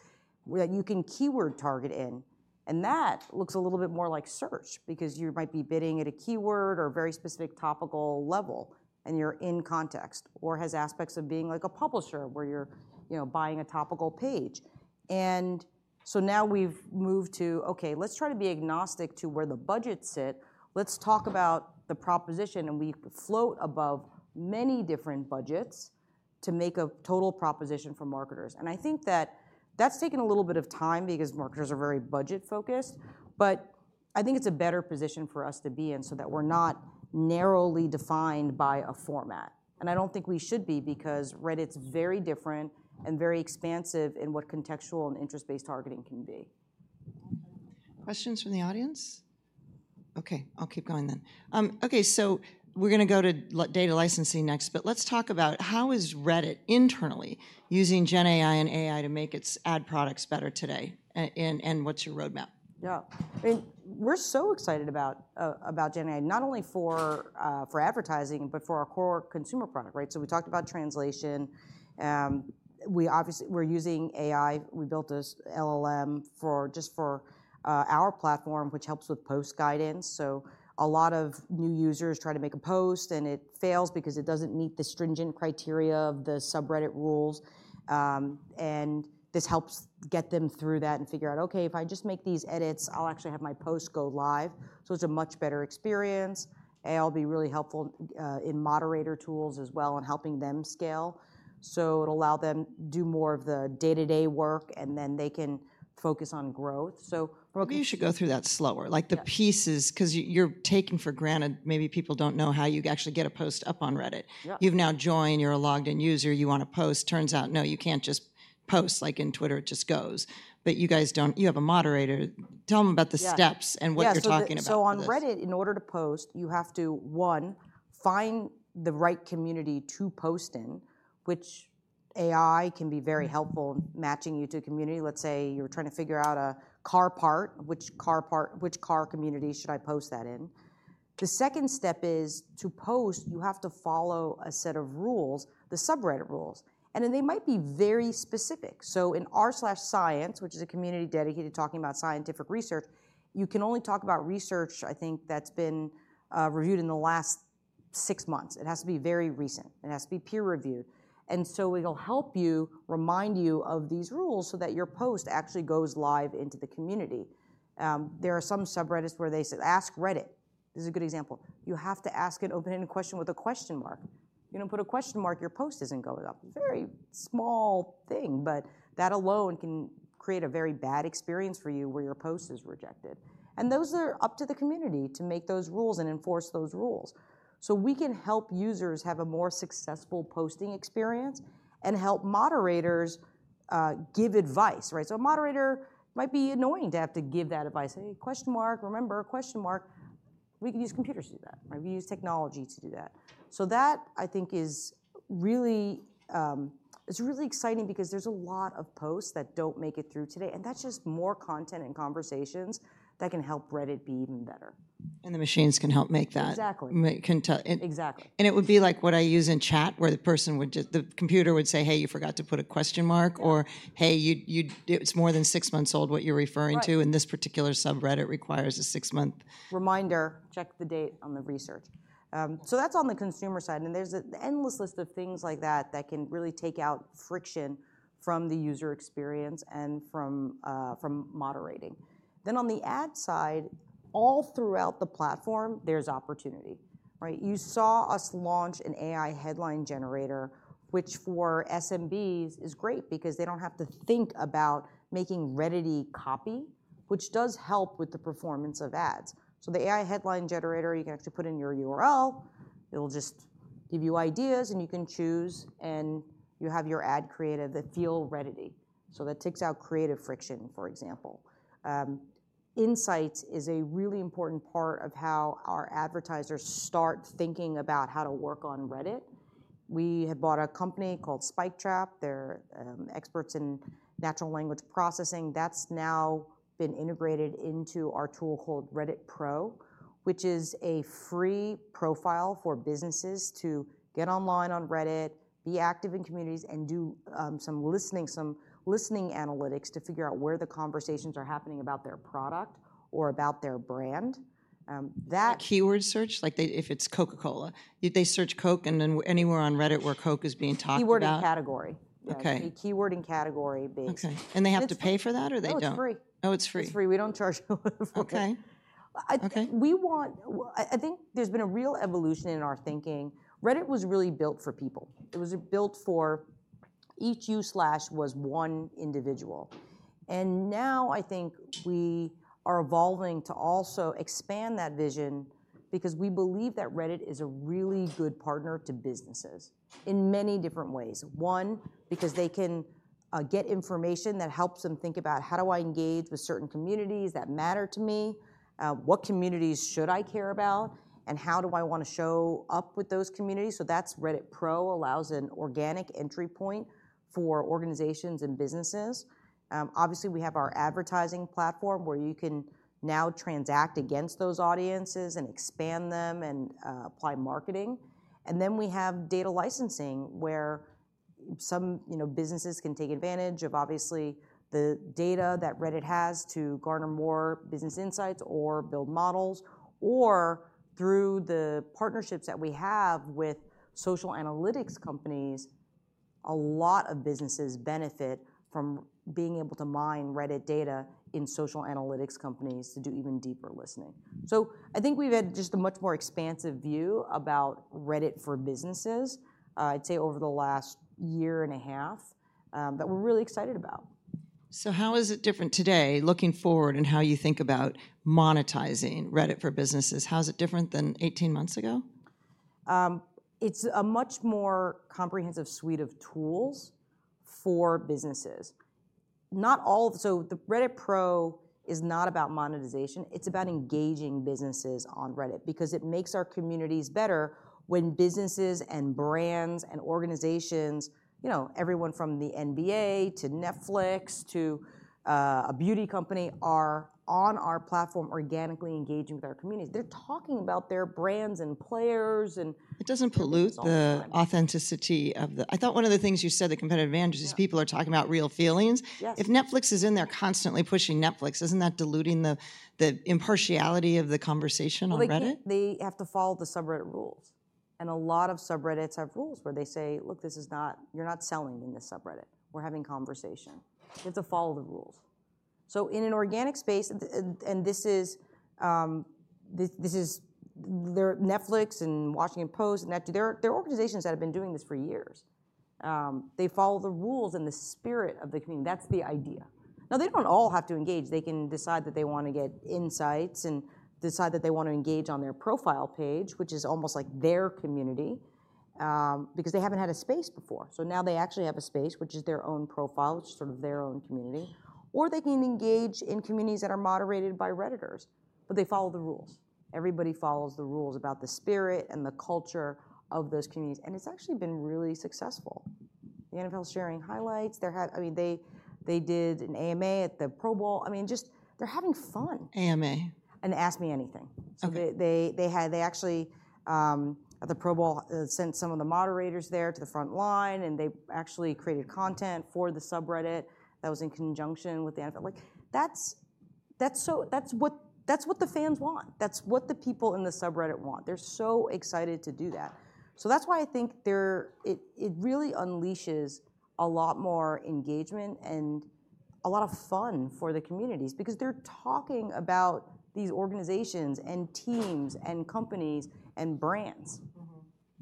where you can keyword target in, and that looks a little bit more like search, because you might be bidding at a keyword or a very specific topical level, and you're in context, or has aspects of being like a publisher, where you're, you know, buying a topical page. And so now we've moved to, okay, let's try to be agnostic to where the budgets sit. Let's talk about the proposition, and we float above many different budgets to make a total proposition for marketers. And I think that that's taken a little bit of time because marketers are very budget focused. But I think it's a better position for us to be in, so that we're not narrowly defined by a format. And I don't think we should be, because Reddit's very different and very expansive in what contextual and interest-based targeting can be. Questions from the audience? Okay, I'll keep going then. Okay, so we're gonna go to data licensing next, but let's talk about how is Reddit internally using gen AI and AI to make its ad products better today? And what's your roadmap? Yeah. I mean, we're so excited about gen AI, not only for advertising, but for our core consumer product, right? So we talked about translation. We obviously- we're using AI. We built this LLM for, just for, our platform, which helps with Post Guidance. So a lot of new users try to make a post, and it fails because it doesn't meet the stringent criteria of the subreddit rules. And this helps get them through that and figure out, "Okay, if I just make these edits, I'll actually have my post go live." So it's a much better experience. AI will be really helpful in moderator tools as well and helping them scale. So it'll allow them do more of the day-to-day work, and then they can focus on growth. So- Maybe you should go through that slower. Yeah... like the pieces, 'cause you're taking for granted, maybe people don't know how you actually get a post up on Reddit. Yeah. You've now joined, you're a logged-in user, you want to post. Turns out, no, you can't just post. Like in Twitter, it just goes. But you guys don't... You have a moderator. Tell them about the steps- Yeah... and what you're talking about with this. Yeah, so on Reddit, in order to post, you have to, one, find the right community to post in, which AI can be very helpful in matching you to a community. Let's say you're trying to figure out a car part, which car part, which car community should I post that in? The second step is, to post, you have to follow a set of rules, the subreddit rules, and then they might be very specific. So in r/science, which is a community dedicated to talking about scientific research, you can only talk about research, I think, that's been reviewed in the last six months. It has to be very recent. It has to be peer reviewed. And so it'll help you, remind you of these rules, so that your post actually goes live into the community. There are some subreddits where they say, "AskReddit." This is a good example. You have to ask an open-ended question with a question mark. You don't put a question mark, your post isn't going up. Very small thing, but that alone can create a very bad experience for you, where your post is rejected. Those are up to the community to make those rules and enforce those rules. We can help users have a more successful posting experience and help moderators give advice, right? A moderator might be annoying to have to give that advice. "Hey, question mark. Remember, question mark." We can use computers to do that, right? We use technology to do that. So that, I think, is really, it's really exciting because there's a lot of posts that don't make it through today, and that's just more content and conversations that can help Reddit be even better. The machines can help make that- Exactly. Can tell- Exactly. It would be like what I use in chat, where the computer would say, "Hey, you forgot to put a question mark. Yeah... or, "Hey, you, it's more than six months old, what you're referring to— Right. and this particular subreddit requires a six-month... Reminder, check the date on the research. So that's on the consumer side, and there's an endless list of things like that that can really take out friction from the user experience and from moderating. Then, on the ad side, all throughout the platform, there's opportunity, right? You saw us launch an AI headline generator, which, for SMBs, is great because they don't have to think about making Reddit-y copy, which does help with the performance of ads. So the AI headline generator, you can actually put in your URL, it'll just give you ideas, and you can choose, and you have your ad created that feel Reddit-y. So that takes out creative friction, for example. Insights is a really important part of how our advertisers start thinking about how to work on Reddit. We have bought a company called Spiketrap. They're experts in natural language processing. That's now been integrated into our tool called Reddit Pro, which is a free profile for businesses to get online on Reddit, be active in communities, and do some listening, some listening analytics to figure out where the conversations are happening about their product or about their brand. That- Keyword search, like they, if it's Coca-Cola, they search Coke, and then anywhere on Reddit where Coke is being talked about? Keyword and category. Okay. Yeah, it'd be keyword and category based. Okay, and they have to pay for that, or they don't? No, it's free. Oh, it's free. It's free. We don't charge for that. Okay. Okay. I think there's been a real evolution in our thinking. Reddit was really built for people. It was built for, each user was one individual, and now I think we are evolving to also expand that vision because we believe that Reddit is a really good partner to businesses in many different ways. One, because they can get information that helps them think about, "How do I engage with certain communities that matter to me? What communities should I care about, and how do I want to show up with those communities?" So that's Reddit Pro allows an organic entry point for organizations and businesses. Obviously, we have our advertising platform, where you can now transact against those audiences and expand them and apply marketing. And then we have data licensing, where some, you know, businesses can take advantage of, obviously, the data that Reddit has to garner more business insights or build models, or through the partnerships that we have with social analytics companies, a lot of businesses benefit from being able to mine Reddit data in social analytics companies to do even deeper listening. So I think we've had just a much more expansive view about Reddit for businesses, I'd say over the last year and a half, that we're really excited about. How is it different today, looking forward, in how you think about monetizing Reddit for businesses? How is it different than 18 months ago? It's a much more comprehensive suite of tools for businesses. So the Reddit Pro is not about monetization, it's about engaging businesses on Reddit, because it makes our communities better when businesses, and brands, and organizations, you know, everyone from the NBA to Netflix to a beauty company, are on our platform organically engaging with our communities. They're talking about their brands and players, and- It doesn't pollute the- all the time... authenticity of the-- I thought one of the things you said, the competitive advantage- Yeah... is people are talking about real feelings. Yes. If Netflix is in there constantly pushing Netflix, isn't that diluting the impartiality of the conversation on Reddit? Well, they have to follow the subreddit rules, and a lot of subreddits have rules where they say: "Look, this is not. You're not selling in this subreddit. We're having conversation." You have to follow the rules. So in an organic space, and this is, they're Netflix and Washington Post, and that, they're organizations that have been doing this for years. They follow the rules and the spirit of the community. That's the idea. Now, they don't all have to engage. They can decide that they want to get insights and decide that they want to engage on their profile page, which is almost like their community, because they haven't had a space before. So now they actually have a space, which is their own profile, which is sort of their own community. Or they can engage in communities that are moderated by Redditors, but they follow the rules. Everybody follows the rules about the spirit and the culture of those communities, and it's actually been really successful. The NFL is sharing highlights. They're, I mean, they did an AMA at the Pro Bowl. I mean, just, they're having fun. AMA? An Ask Me Anything. Okay. So they had— They actually at the Pro Bowl sent some of the moderators there to the front line, and they actually created content for the subreddit that was in conjunction with the NFL. Like, that's— That's what the fans want. That's what the people in the subreddit want. They're so excited to do that. So that's why I think they're... It really unleashes a lot more engagement and a lot of fun for the communities, because they're talking about these organizations, and teams, and companies, and brands.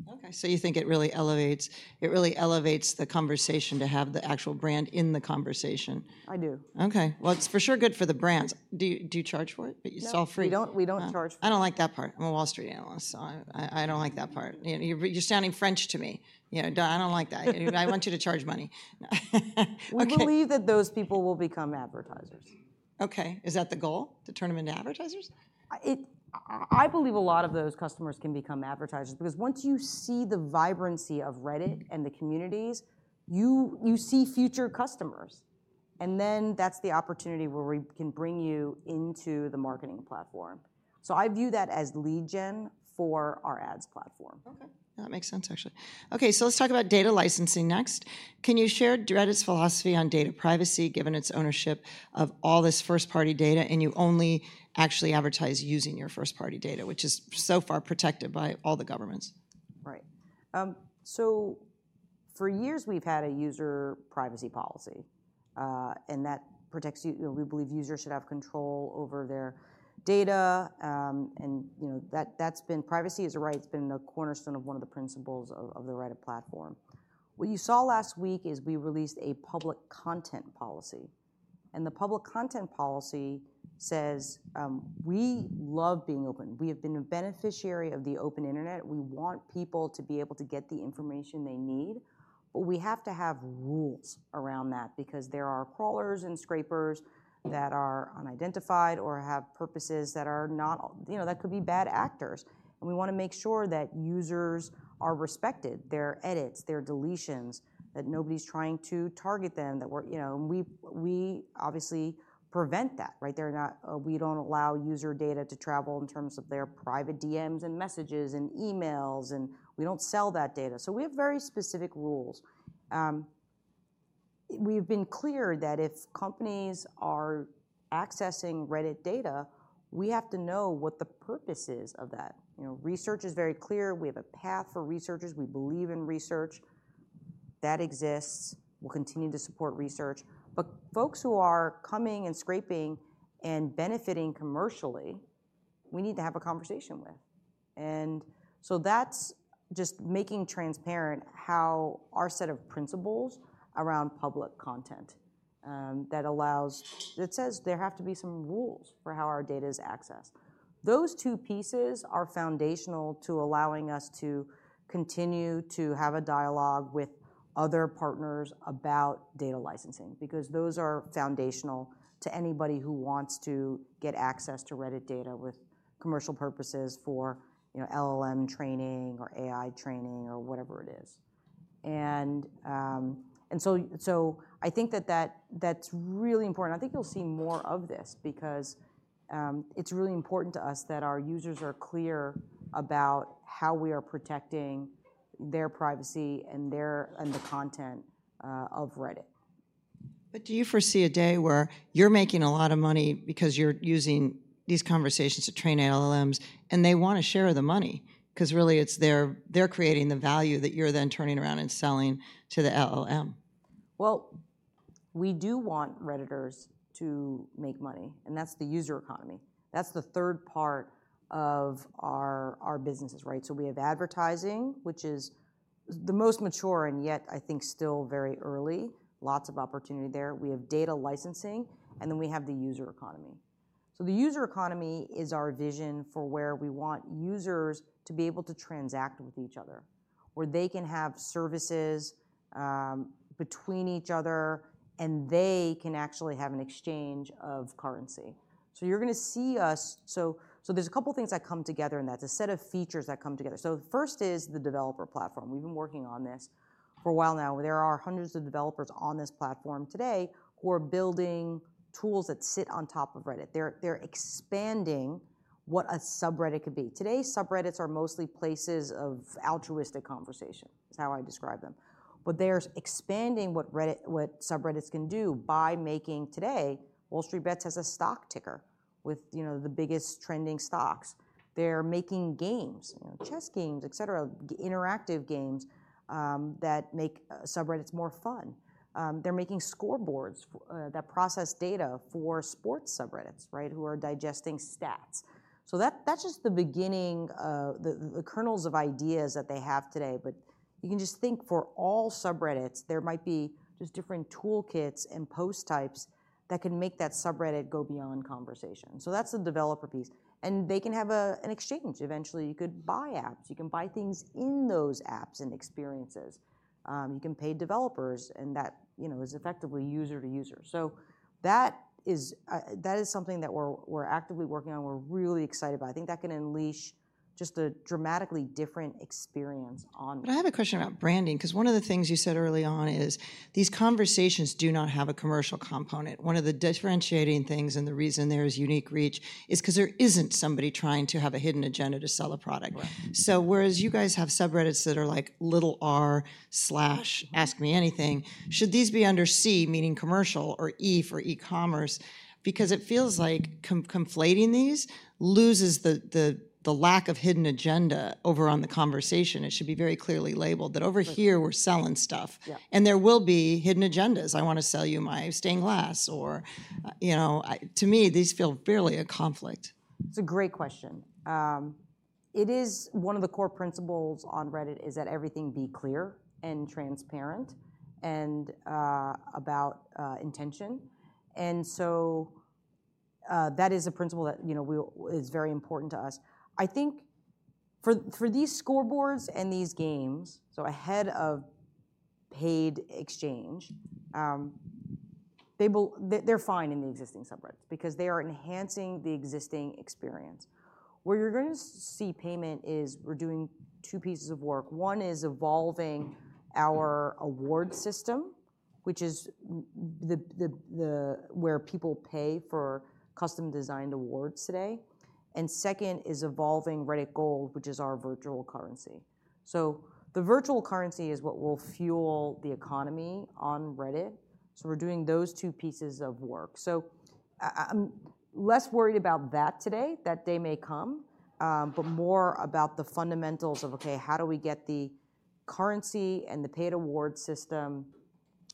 Mm-hmm. Okay, so you think it really elevates, it really elevates the conversation to have the actual brand in the conversation? I do. Okay. Well, it's for sure good for the brands. Do you, do you charge for it? No. It's all free. We don't charge for it. I don't like that part. I'm a Wall Street analyst, so I don't like that part. You know, you're sounding French to me. You know, I don't like that. I want you to charge money. Okay. We believe that those people will become advertisers. Okay. Is that the goal, to turn them into advertisers? I believe a lot of those customers can become advertisers, because once you see the vibrancy of Reddit and the communities, you see future customers, and then that's the opportunity where we can bring you into the marketing platform. So I view that as lead gen for our ads platform. Okay. That makes sense, actually. Okay, so let's talk about data licensing next. Can you share Reddit's philosophy on data privacy, given its ownership of all this first-party data, and you only actually advertise using your first-party data, which is so far protected by all the governments? Right. So for years, we've had a user privacy policy, and that protects. We believe users should have control over their data, and, you know, that, that's been privacy as a right. It's been a cornerstone of one of the principles of the Reddit platform. What you saw last week is we released a public content policy, and the public content policy says: We love being open. We have been a beneficiary of the open internet. We want people to be able to get the information they need, but we have to have rules around that, because there are crawlers and scrapers that are unidentified or have purposes that are not... You know, that could be bad actors, and we want to make sure that users are respected, their edits, their deletions, that nobody's trying to target them, that we're, you know... And we, we obviously prevent that, right? They're not, we don't allow user data to travel in terms of their private DMs, and messages, and emails, and we don't sell that data. So we have very specific rules. We've been clear that if companies are accessing Reddit data, we have to know what the purpose is of that. You know, research is very clear. We have a path for researchers. We believe in research. That exists. We'll continue to support research. But folks who are coming, and scraping, and benefiting commercially, we need to have a conversation with. And so that's just making transparent how our set of principles around public content, that allows. It says there have to be some rules for how our data is accessed. Those two pieces are foundational to allowing us to continue to have a dialogue with other partners about data licensing, because those are foundational to anybody who wants to get access to Reddit data with commercial purposes for, you know, LLM training or AI training, or whatever it is. And I think that's really important. I think you'll see more of this, because it's really important to us that our users are clear about how we are protecting their privacy and the content of Reddit. But do you foresee a day where you're making a lot of money because you're using these conversations to train LLMs, and they want a share of the money? 'Cause really, it's they're, they're creating the value that you're then turning around and selling to the LLM. Well, we do want Redditors to make money, and that's the user economy. That's the third part of our businesses, right? So we have advertising, which is the most mature, and yet, I think, still very early. Lots of opportunity there. We have data licensing, and then we have the user economy. So the user economy is our vision for where we want users to be able to transact with each other, where they can have services between each other, and they can actually have an exchange of currency. So you're gonna see us. So, there's a couple things that come together in that. It's a set of features that come together. So the first is the developer platform. We've been working on this for a while now, where there are hundreds of developers on this platform today who are building tools that sit on top of Reddit. They're expanding what a subreddit could be. Today, subreddits are mostly places of altruistic conversation, is how I describe them. But they're expanding what Reddit, what subreddits can do by making... Today, WallStreetBets has a stock ticker with, you know, the biggest trending stocks. They're making games, you know, chess games, et cetera, interactive games that make subreddits more fun. They're making scoreboards that process data for sports subreddits, right, who are digesting stats. So that's just the beginning of the kernels of ideas that they have today, but you can just think for all subreddits, there might be just different toolkits and post types that can make that subreddit go beyond conversation. So that's the developer piece, and they can have an exchange eventually. You could buy apps. You can buy things in those apps and experiences. You can pay developers, and that, you know, is effectively user to user. So that is something that we're actively working on, we're really excited about. I think that can unleash just a dramatically different experience on- But I have a question about branding, 'cause one of the things you said early on is, "These conversations do not have a commercial component." One of the differentiating things, and the reason there is unique reach, is 'cause there isn't somebody trying to have a hidden agenda to sell a product. Right. So whereas you guys have subreddits that are like little r/AskMeAnything, should these be under C, meaning commercial, or E, for e-commerce? Because it feels like conflating these loses the lack of hidden agenda over on the conversation. It should be very clearly labeled that over here. Sure. We're selling stuff. Yeah. There will be hidden agendas. I want to sell you my stained glass or, you know, to me, these feel fairly a conflict. It's a great question. It is one of the core principles on Reddit that everything be clear and transparent and about intention. And so, that is a principle that, you know, is very important to us. I think for these scoreboards and these games, so ahead of paid exchange, they're fine in the existing subreddits, because they are enhancing the existing experience. Where you're going to see payment is, we're doing two pieces of work. One is evolving our award system, which is where people pay for custom-designed awards today, and second is evolving Reddit Gold, which is our virtual currency. So the virtual currency is what will fuel the economy on Reddit, so we're doing those two pieces of work. So I, I'm less worried about that today, that day may come, but more about the fundamentals of, okay, how do we get the currency and the paid award system,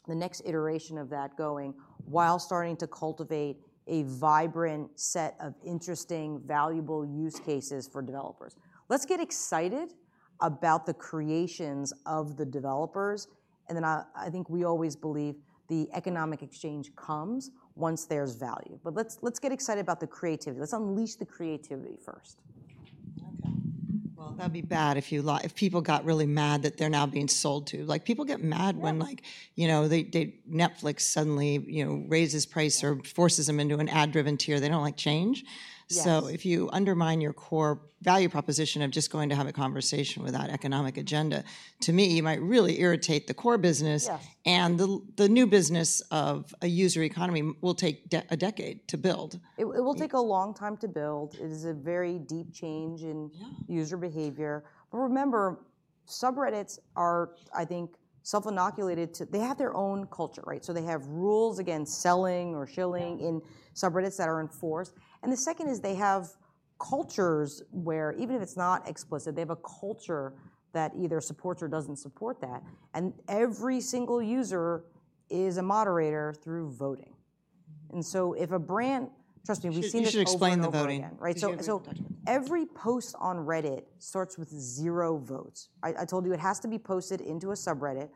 the next iteration of that going, while starting to cultivate a vibrant set of interesting, valuable use cases for developers? Let's get excited about the creations of the developers, and then I, I think we always believe the economic exchange comes once there's value. But let's, let's get excited about the creativity. Let's unleash the creativity first. Okay. Well, that'd be bad if people got really mad that they're now being sold to. Like, people get mad- Right... when like, you know, they Netflix suddenly, you know, raises price or forces them into an ad-driven tier. They don't like change. Yes. If you undermine your core value proposition of just going to have a conversation without economic agenda, to me, you might really irritate the core business- Yes... and the new business of a user economy will take a decade to build. It will take a long time to build. It is a very deep change in- Yeah user behavior. But remember, subreddits are, I think, self-inoculated to… They have their own culture, right? So they have rules against selling or shilling. Yeah in subreddits that are enforced, and the second is they have cultures where, even if it's not explicit, they have a culture that either supports or doesn't support that, and every single user is a moderator through voting. And so if a brand... Trust me, we've seen this over- You should explain the voting.... and over again, right? So- You should explain the voting. So every post on Reddit starts with zero votes. I told you it has to be posted into a subreddit,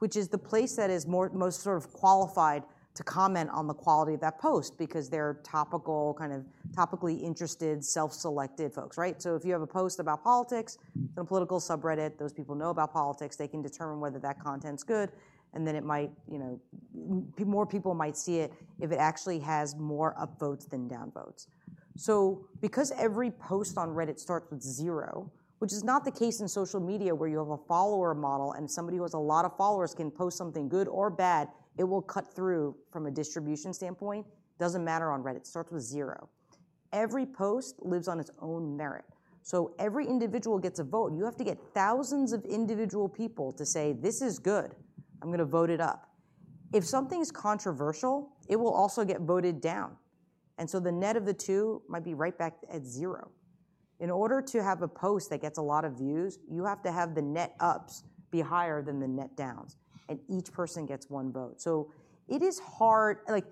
which is the place that is more, most sort of qualified to comment on the quality of that post, because they're topical, kind of topically interested, self-selected folks, right? So if you have a post about politics, the political subreddit, those people know about politics. They can determine whether that content's good, and then it might, you know, more people might see it if it actually has more upvotes than downvotes. So because every post on Reddit starts with zero, which is not the case in social media, where you have a follower model, and somebody who has a lot of followers can post something good or bad, it will cut through from a distribution standpoint. Doesn't matter on Reddit. Starts with zero. Every post lives on its own merit, so every individual gets a vote, and you have to get thousands of individual people to say, "This is good. I'm gonna vote it up." If something's controversial, it will also get voted down... and so the net of the two might be right back at zero. In order to have a post that gets a lot of views, you have to have the net ups be higher than the net downs, and each person gets one vote. So it is hard, like,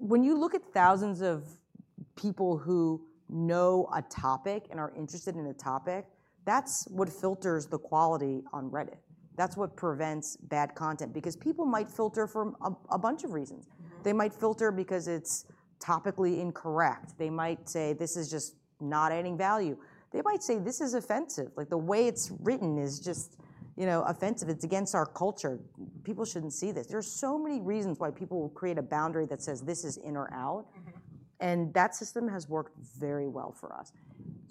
when you look at thousands of people who know a topic and are interested in a topic, that's what filters the quality on Reddit. That's what prevents bad content, because people might filter for a bunch of reasons. Mm-hmm. They might filter because it's topically incorrect. They might say, "This is just not adding value." They might say, "This is offensive, like, the way it's written is just, you know, offensive. It's against our culture. People shouldn't see this." There are so many reasons why people will create a boundary that says this is in or out. Mm-hmm. That system has worked very well for us.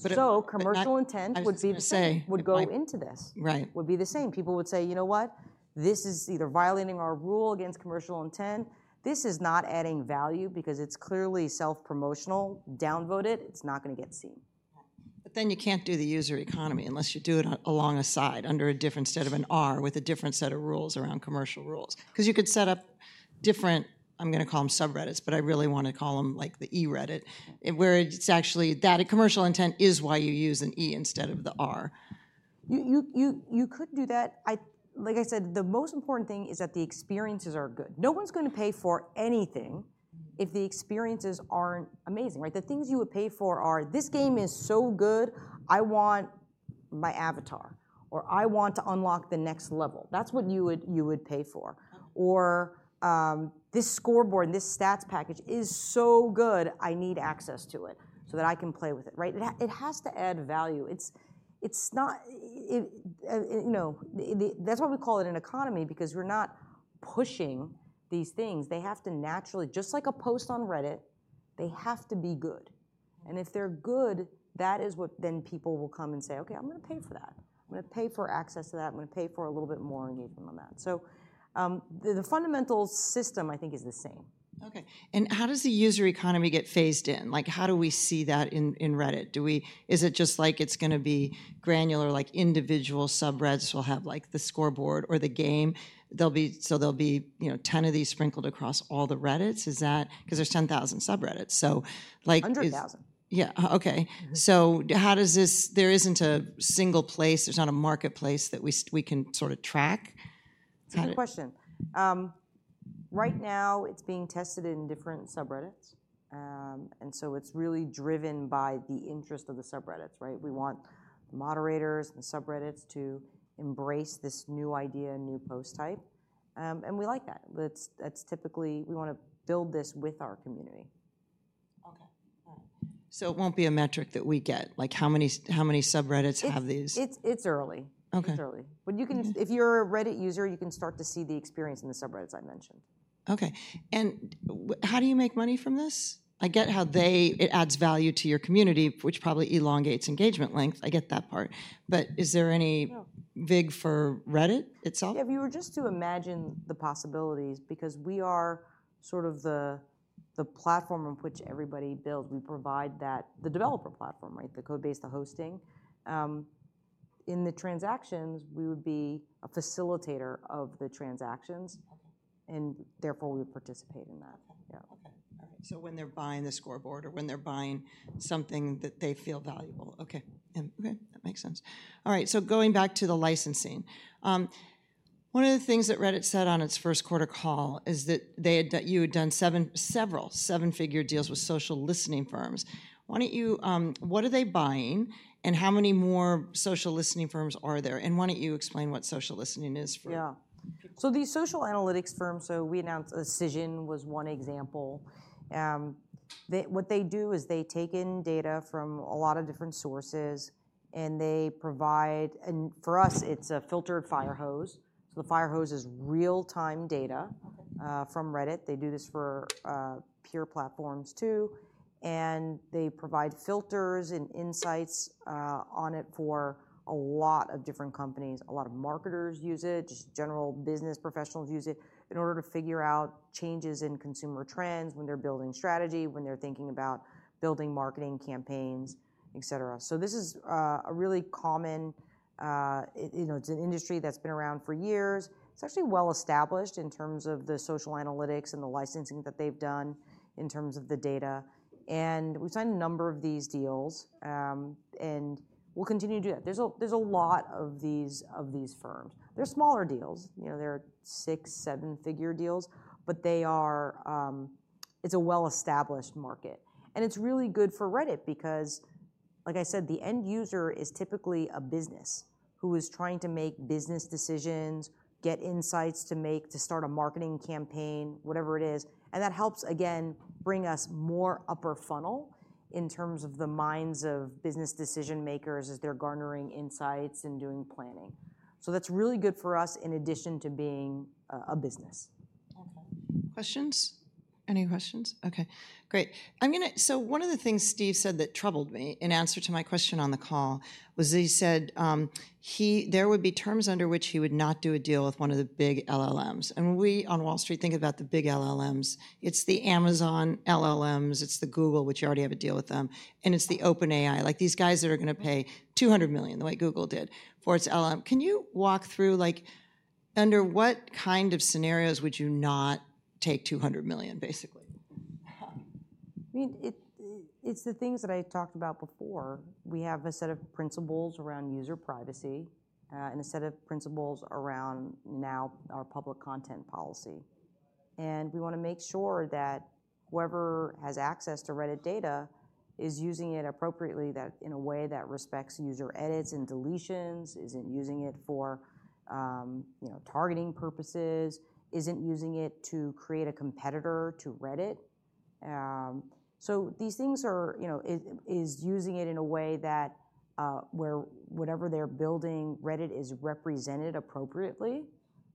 But it- So commercial intent- I was gonna say- would be the same, would go into this. Right. Would be the same. People would say, "You know what? This is either violating our rule against commercial intent, this is not adding value because it's clearly self-promotional. Down vote it, it's not gonna get seen. But then you can't do the user economy unless you do it along a side, under a different set of an R, with a different set of rules around commercial rules. 'Cause you could set up different, I'm gonna call them subreddits, but I really wanna call them like the e-Reddit, where it's actually that commercial intent is why you use an E instead of the R. You could do that. Like I said, the most important thing is that the experiences are good. No one's gonna pay for anything if the experiences aren't amazing, right? The things you would pay for are, "This game is so good, I want my avatar," or, "I want to unlock the next level." That's what you would pay for. Okay. Or, "This scoreboard and this stats package is so good, I need access to it so that I can play with it," right? It has to add value. It's not, you know, the-- that's why we call it an economy, because we're not pushing these things. They have to naturally-- just like a post on Reddit, they have to be good. Mm. If they're good, that is what. Then people will come and say, "Okay, I'm gonna pay for that. I'm gonna pay for access to that. I'm gonna pay for a little bit more engagement on that." So, the fundamental system, I think, is the same. Okay, and how does the user economy get phased in? Like, how do we see that in, in Reddit? Do we-- is it just like it's gonna be granular, like individual subreddits will have, like, the scoreboard or the game? There'll be-- so there'll be, you know, 10 of these sprinkled across all the Reddits? Is that...? Because there's 10,000 subreddits, so like- Hundred thousand. Yeah. Okay. Mm-hmm. So how does this... There isn't a single place, there's not a marketplace that we can sort of track? How did- It's a good question. Right now, it's being tested in different subreddits. And so it's really driven by the interest of the subreddits, right? We want moderators and subreddits to embrace this new idea and new post type. And we like that. That's typically... We want to build this with our community. Okay, all right. So it won't be a metric that we get, like how many subreddits have these? It's early. Okay. It's early. But if you're a Reddit user, you can start to see the experience in the subreddits I mentioned. Okay. And how do you make money from this? I get how it adds value to your community, which probably elongates engagement length. I get that part. But is there any- Yeah... vig for Reddit itself? If you were just to imagine the possibilities, because we are sort of the, the platform on which everybody builds. We provide that, the developer platform, right? The code base, the hosting. In the transactions, we would be a facilitator of the transactions- Okay... and therefore, we would participate in that. Okay. Yeah. Okay, all right. So when they're buying the scoreboard or when they're buying something that they feel valuable. Okay. Okay, that makes sense. All right, so going back to the licensing. One of the things that Reddit said on its first quarter call is that they had done—you had done several seven-figure deals with social listening firms. Why don't you... What are they buying, and how many more social listening firms are there? And why don't you explain what social listening is for? Yeah. So these social analytics firms, so we announced Cision was one example. They, what they do is they take in data from a lot of different sources, and they provide... And for us, it's a filtered fire hose. So the fire hose is real-time data- Okay... from Reddit. They do this for, peer platforms, too. And they provide filters and insights, on it for a lot of different companies. A lot of marketers use it, just general business professionals use it, in order to figure out changes in consumer trends when they're building strategy, when they're thinking about building marketing campaigns, et cetera. So this is, a really common, you know, it's an industry that's been around for years. It's actually well-established in terms of the social analytics and the licensing that they've done in terms of the data, and we've signed a number of these deals, and we'll continue to do that. There's a, there's a lot of these, of these firms. They're smaller deals. You know, they're 6, 7-figure deals, but they are... It's a well-established market. It's really good for Reddit because, like I said, the end user is typically a business who is trying to make business decisions, get insights to make, to start a marketing campaign, whatever it is. That helps, again, bring us more upper funnel in terms of the minds of business decision-makers as they're garnering insights and doing planning. That's really good for us, in addition to being a business. Okay. Questions? Any questions? Okay, great. I'm gonna—so one of the things Steve said that troubled me, in answer to my question on the call, was that he said, there would be terms under which he would not do a deal with one of the big LLMs. And we, on Wall Street, think about the big LLMs. It's the Amazon LLMs, it's the Google, which you already have a deal with them, and it's the OpenAI. Like, these guys that are gonna pay $200 million, the way Google did, for its LLM. Can you walk through, like, under what kind of scenarios would you not take $200 million, basically? I mean, it's the things that I talked about before. We have a set of principles around user privacy, and a set of principles around, now, our public content policy. And we want to make sure that whoever has access to Reddit data is using it appropriately, that in a way that respects user edits and deletions, isn't using it for, you know, targeting purposes, isn't using it to create a competitor to Reddit. So these things are, you know, using it in a way that, where whatever they're building, Reddit is represented appropriately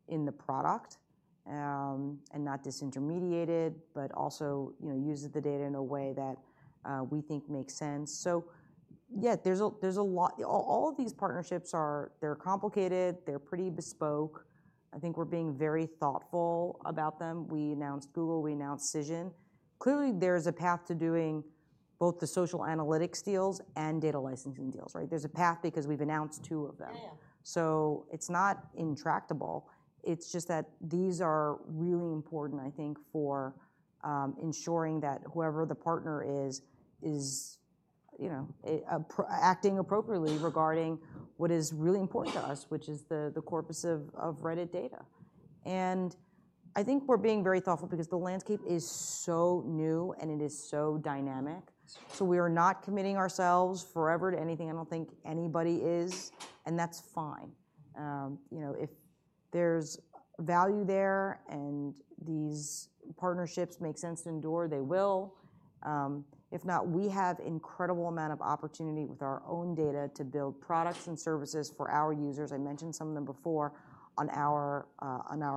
in the product, and not disintermediated, but also, you know, uses the data in a way that we think makes sense. So yeah, there's a lot... All of these partnerships are, they're complicated, they're pretty bespoke. I think we're being very thoughtful about them. We announced Google, we announced Cision. Clearly, there's a path to doing both the social analytics deals and data licensing deals, right? There's a path because we've announced two of them. Yeah. So it's not intractable, it's just that these are really important, I think, for ensuring that whoever the partner is, is, you know, acting appropriately regarding what is really important to us, which is the corpus of Reddit data. I think we're being very thoughtful because the landscape is so new and it is so dynamic, so we are not committing ourselves forever to anything. I don't think anybody is, and that's fine. You know, if there's value there and these partnerships make sense to endure, they will. If not, we have incredible amount of opportunity with our own data to build products and services for our users, I mentioned some of them before, on our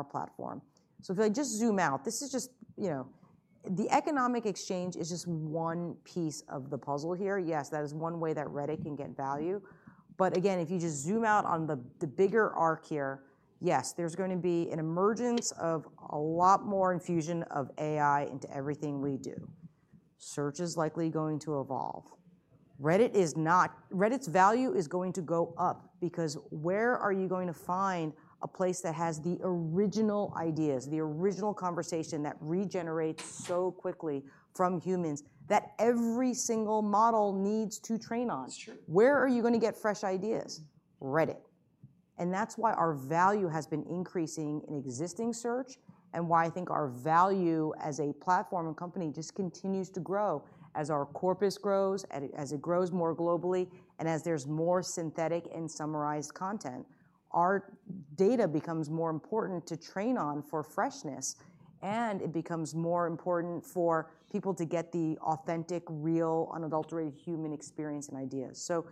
platform. So if I just zoom out, this is just, you know, the economic exchange is just one piece of the puzzle here. Yes, that is one way that Reddit can get value, but again, if you just zoom out on the bigger arc here, yes, there's going to be an emergence of a lot more infusion of AI into everything we do. Search is likely going to evolve. Reddit is not—Reddit's value is going to go up, because where are you going to find a place that has the original ideas, the original conversation that regenerates so quickly from humans, that every single model needs to train on? It's true. Where are you going to get fresh ideas? Reddit. And that's why our value has been increasing in existing search, and why I think our value as a platform and company just continues to grow as our corpus grows, and as it grows more globally, and as there's more synthetic and summarized content. Our data becomes more important to train on for freshness, and it becomes more important for people to get the authentic, real, unadulterated human experience and ideas. So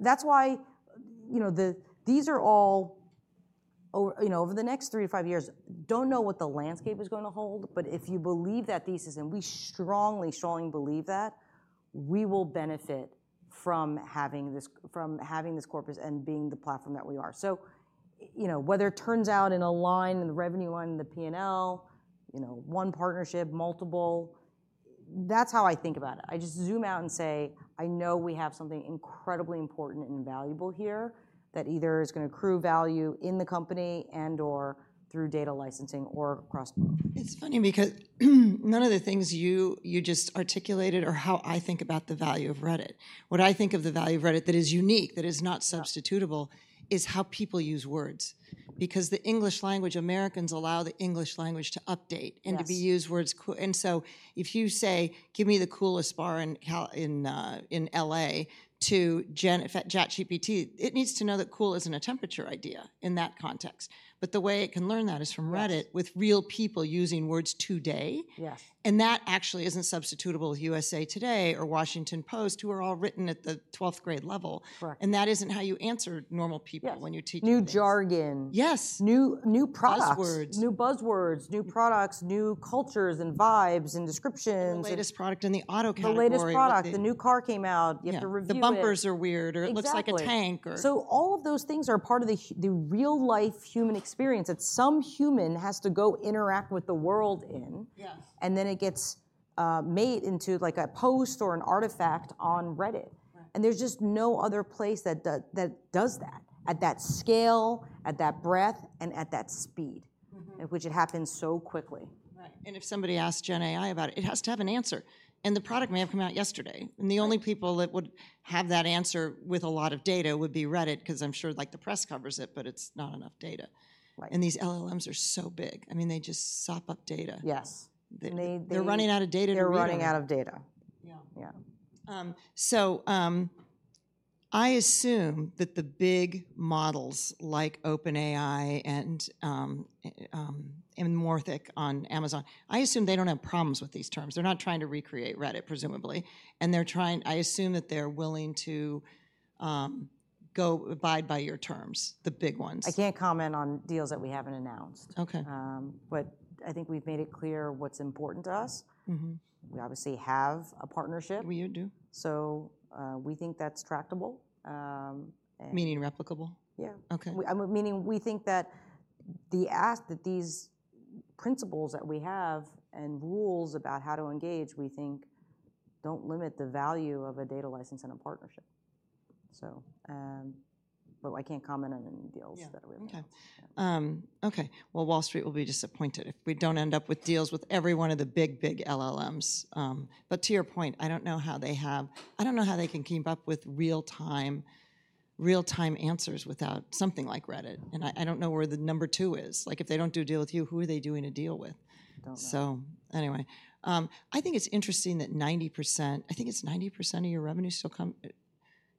that's why, you know, these are all over. You know, over the next three to five years, don't know what the landscape is going to hold, but if you believe that thesis, and we strongly, strongly believe that, we will benefit from having this, from having this corpus and being the platform that we are. So, you know, whether it turns out in a line in the revenue line, in the P&L, you know, one partnership, multiple, that's how I think about it. I just zoom out and say, "I know we have something incredibly important and valuable here that either is going to accrue value in the company and/or through data licensing or across both. It's funny because none of the things you just articulated are how I think about the value of Reddit. What I think of the value of Reddit that is unique, that is not substitutable- Yeah... is how people use words. Because the English language, Americans allow the English language to update- Yes... and to be used where it's. And so if you say, "Give me the coolest bar in in, in L.A." to Gen, in fact, ChatGPT, it needs to know that cool isn't a temperature idea in that context, but the way it can learn that is from Reddit- Yes... with real people using words today. Yes. That actually isn't substitutable with USA Today or The Washington Post, who are all written at the twelfth-grade level. Correct. That isn't how you answer normal people- Yes... when you're teaching them this. New jargon. Yes. New, new products. Buzzwords. New buzzwords, new products, new cultures and vibes and descriptions. The latest product in the auto category- The latest product, the new car came out- Yeah... you have to review it. The bumpers are weird or- Exactly... it looks like a tank or- So all of those things are part of the real-life human experience, that some human has to go interact with the world in. Yes. And then it gets made into, like, a post or an artifact on Reddit. Right. There's just no other place that does that at that scale, at that breadth, and at that speed. Mm-hmm... at which it happens so quickly. Right. And if somebody asks gen AI about it, it has to have an answer, and the product may have come out yesterday. Right. The only people that would have that answer with a lot of data would be Reddit, 'cause I'm sure, like, the press covers it, but it's not enough data. Right. These LLMs are so big. I mean, they just sop up data. Yes, they— They're running out of data to run. They're running out of data. Yeah. Yeah. So, I assume that the big models like OpenAI and Anthropic on Amazon, I assume they don't have problems with these terms. They're not trying to recreate Reddit, presumably, and they're trying. I assume that they're willing to go abide by your terms, the big ones. I can't comment on deals that we haven't announced. Okay. But I think we've made it clear what's important to us. Mm-hmm. We obviously have a partnership. We do. So, we think that's tractable, and- Meaning replicable? Yeah. Okay. Meaning we think that these principles that we have and rules about how to engage, we think don't limit the value of a data license and a partnership. So, but I can't comment on any deals that we have. Yeah, okay. Well, Wall Street will be disappointed if we don't end up with deals with every one of the big, big LLMs. But to your point, I don't know how they can keep up with real-time, real-time answers without something like Reddit. Mm-hmm. I don't know where the number two is. Like, if they don't do a deal with you, who are they doing a deal with? Don't know. So anyway, I think it's interesting that 90%, I think it's 90% of your revenue still come...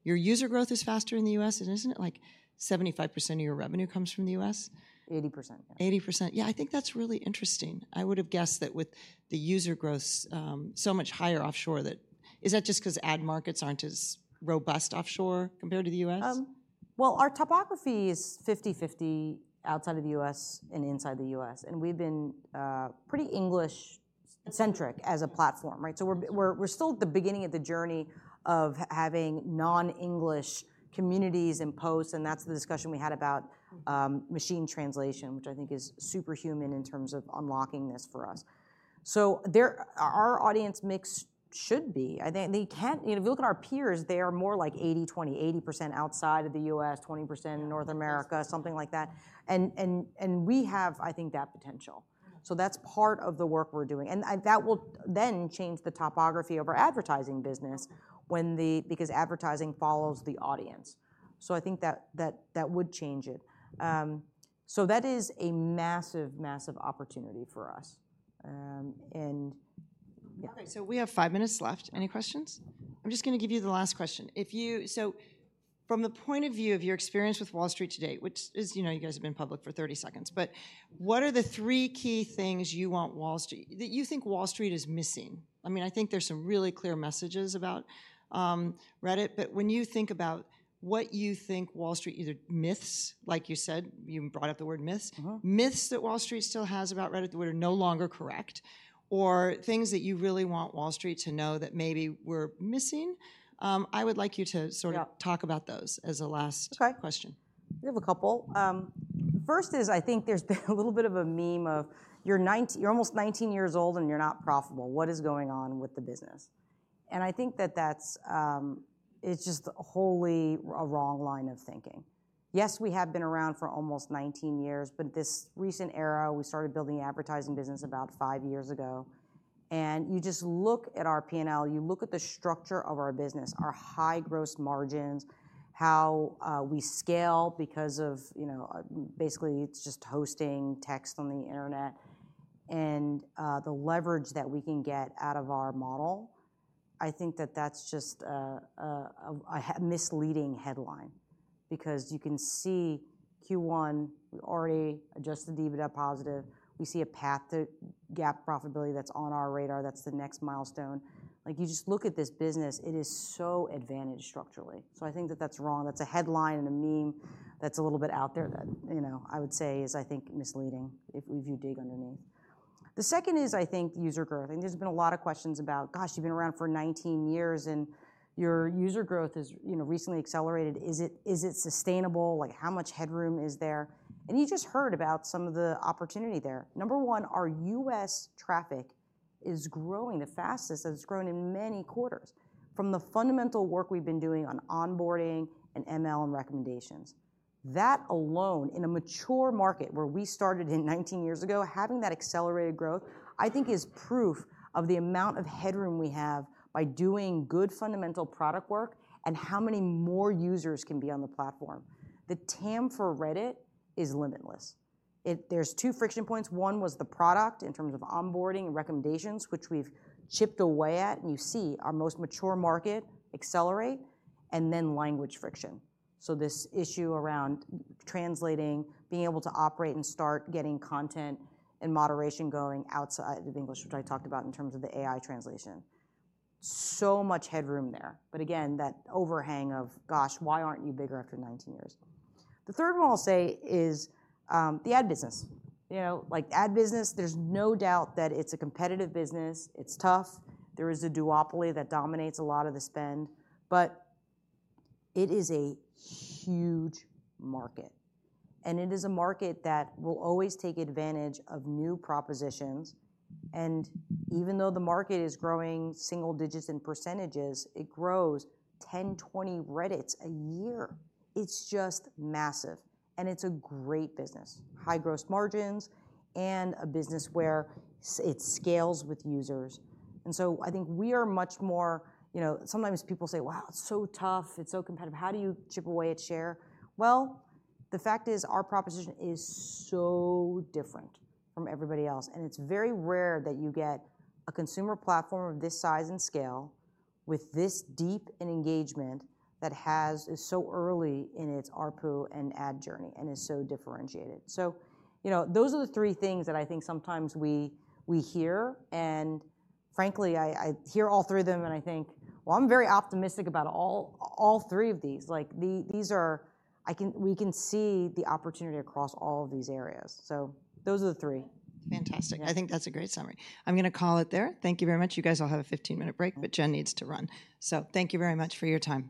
Your user growth is faster in the U.S., and isn't it like 75% of your revenue comes from the U.S.? 80%, yeah. 80%. Yeah, I think that's really interesting. I would have guessed that with the user growth, so much higher offshore, that... Is that just 'cause ad markets aren't as robust offshore compared to the U.S.? Well, our topography is 50/50 outside of the U.S. and inside the U.S., and we've been pretty English-centric as a platform, right? So we're still at the beginning of the journey of having non-English communities and posts, and that's the discussion we had about machine translation, which I think is superhuman in terms of unlocking this for us. So there, our audience mix should be... I think, they can't, you know, if you look at our peers, they are more like 80/20, 80% outside of the U.S., 20% in North America. Yeah... something like that. And we have, I think, that potential. So that's part of the work we're doing, and that will then change the topography of our advertising business when the, because advertising follows the audience. So I think that would change it. So that is a massive, massive opportunity for us. And yeah. Okay, so we have five minutes left. Any questions? I'm just going to give you the last question. So from the point of view of your experience with Wall Street to date, which is, you know, you guys have been public for 30 seconds, but what are the three key things you want Wall Street, that you think Wall Street is missing? I mean, I think there's some really clear messages about Reddit, but when you think about what you think Wall Street either myths, like you said, you brought up the word myths. Uh-huh.... myths that Wall Street still has about Reddit that are no longer correct, or things that you really want Wall Street to know that maybe we're missing, I would like you to sort of- Yeah... talk about those as a last question. Okay. We have a couple. First is, I think there's been a little bit of a meme of: "You're almost 19 years old and you're not profitable. What is going on with the business?" And I think that that's just wholly a wrong line of thinking. Yes, we have been around for almost 19 years, but this recent era, we started building the advertising business about five years ago, and you just look at our P&L, you look at the structure of our business, our high gross margins, how we scale because of, you know, basically, it's just hosting text on the internet, and the leverage that we can get out of our model, I think that that's just a misleading headline, because you can see Q1, we already adjusted EBITDA positive. We see a path to GAAP profitability that's on our radar. That's the next milestone. Like, you just look at this business, it is so advantaged structurally. So I think that that's wrong. That's a headline and a meme that's a little bit out there that, you know, I would say is, I think, misleading, if, if you dig underneath. The second is, I think, user growth, and there's been a lot of questions about: "Gosh, you've been around for 19 years, and your user growth has, you know, recently accelerated. Is it, is it sustainable? Like, how much headroom is there?" And you just heard about some of the opportunity there. Number one, our U.S. traffic is growing the fastest, and it's grown in many quarters. From the fundamental work we've been doing on onboarding and ML and recommendations, that alone, in a mature market where we started 19 years ago, having that accelerated growth, I think is proof of the amount of headroom we have by doing good fundamental product work and how many more users can be on the platform. The TAM for Reddit is limitless. It, there's two friction points. One was the product in terms of onboarding and recommendations, which we've chipped away at, and you see our most mature market accelerate, and then language friction. So this issue around translating, being able to operate and start getting content and moderation going outside of English, which I talked about in terms of the AI translation. So much headroom there, but again, that overhang of, "Gosh, why aren't you bigger after 19 years?" The third one I'll say is the ad business. You know, like, ad business, there's no doubt that it's a competitive business. It's tough. There is a duopoly that dominates a lot of the spend, but it is a huge market, and it is a market that will always take advantage of new propositions, and even though the market is growing single-digit percentages, it grows 10, 20 Reddits a year. It's just massive, and it's a great business. High gross margins and a business where it scales with users. And so I think we are much more... You know, sometimes people say, "Wow, it's so tough, it's so competitive. “How do you chip away at share?” Well, the fact is, our proposition is so different from everybody else, and it's very rare that you get a consumer platform of this size and scale, with this deep an engagement, that has-- is so early in its ARPU and ad journey, and is so differentiated. So, you know, those are the three things that I think sometimes we, we hear, and frankly, I, I hear all three of them and I think, “Well, I'm very optimistic about all, all three of these.” Like, the, these are, I can- we can see the opportunity across all of these areas, so those are the three. Fantastic. I think that's a great summary. I'm going to call it there. Thank you very much. You guys all have a 15-minute break, but Jen needs to run, so thank you very much for your time.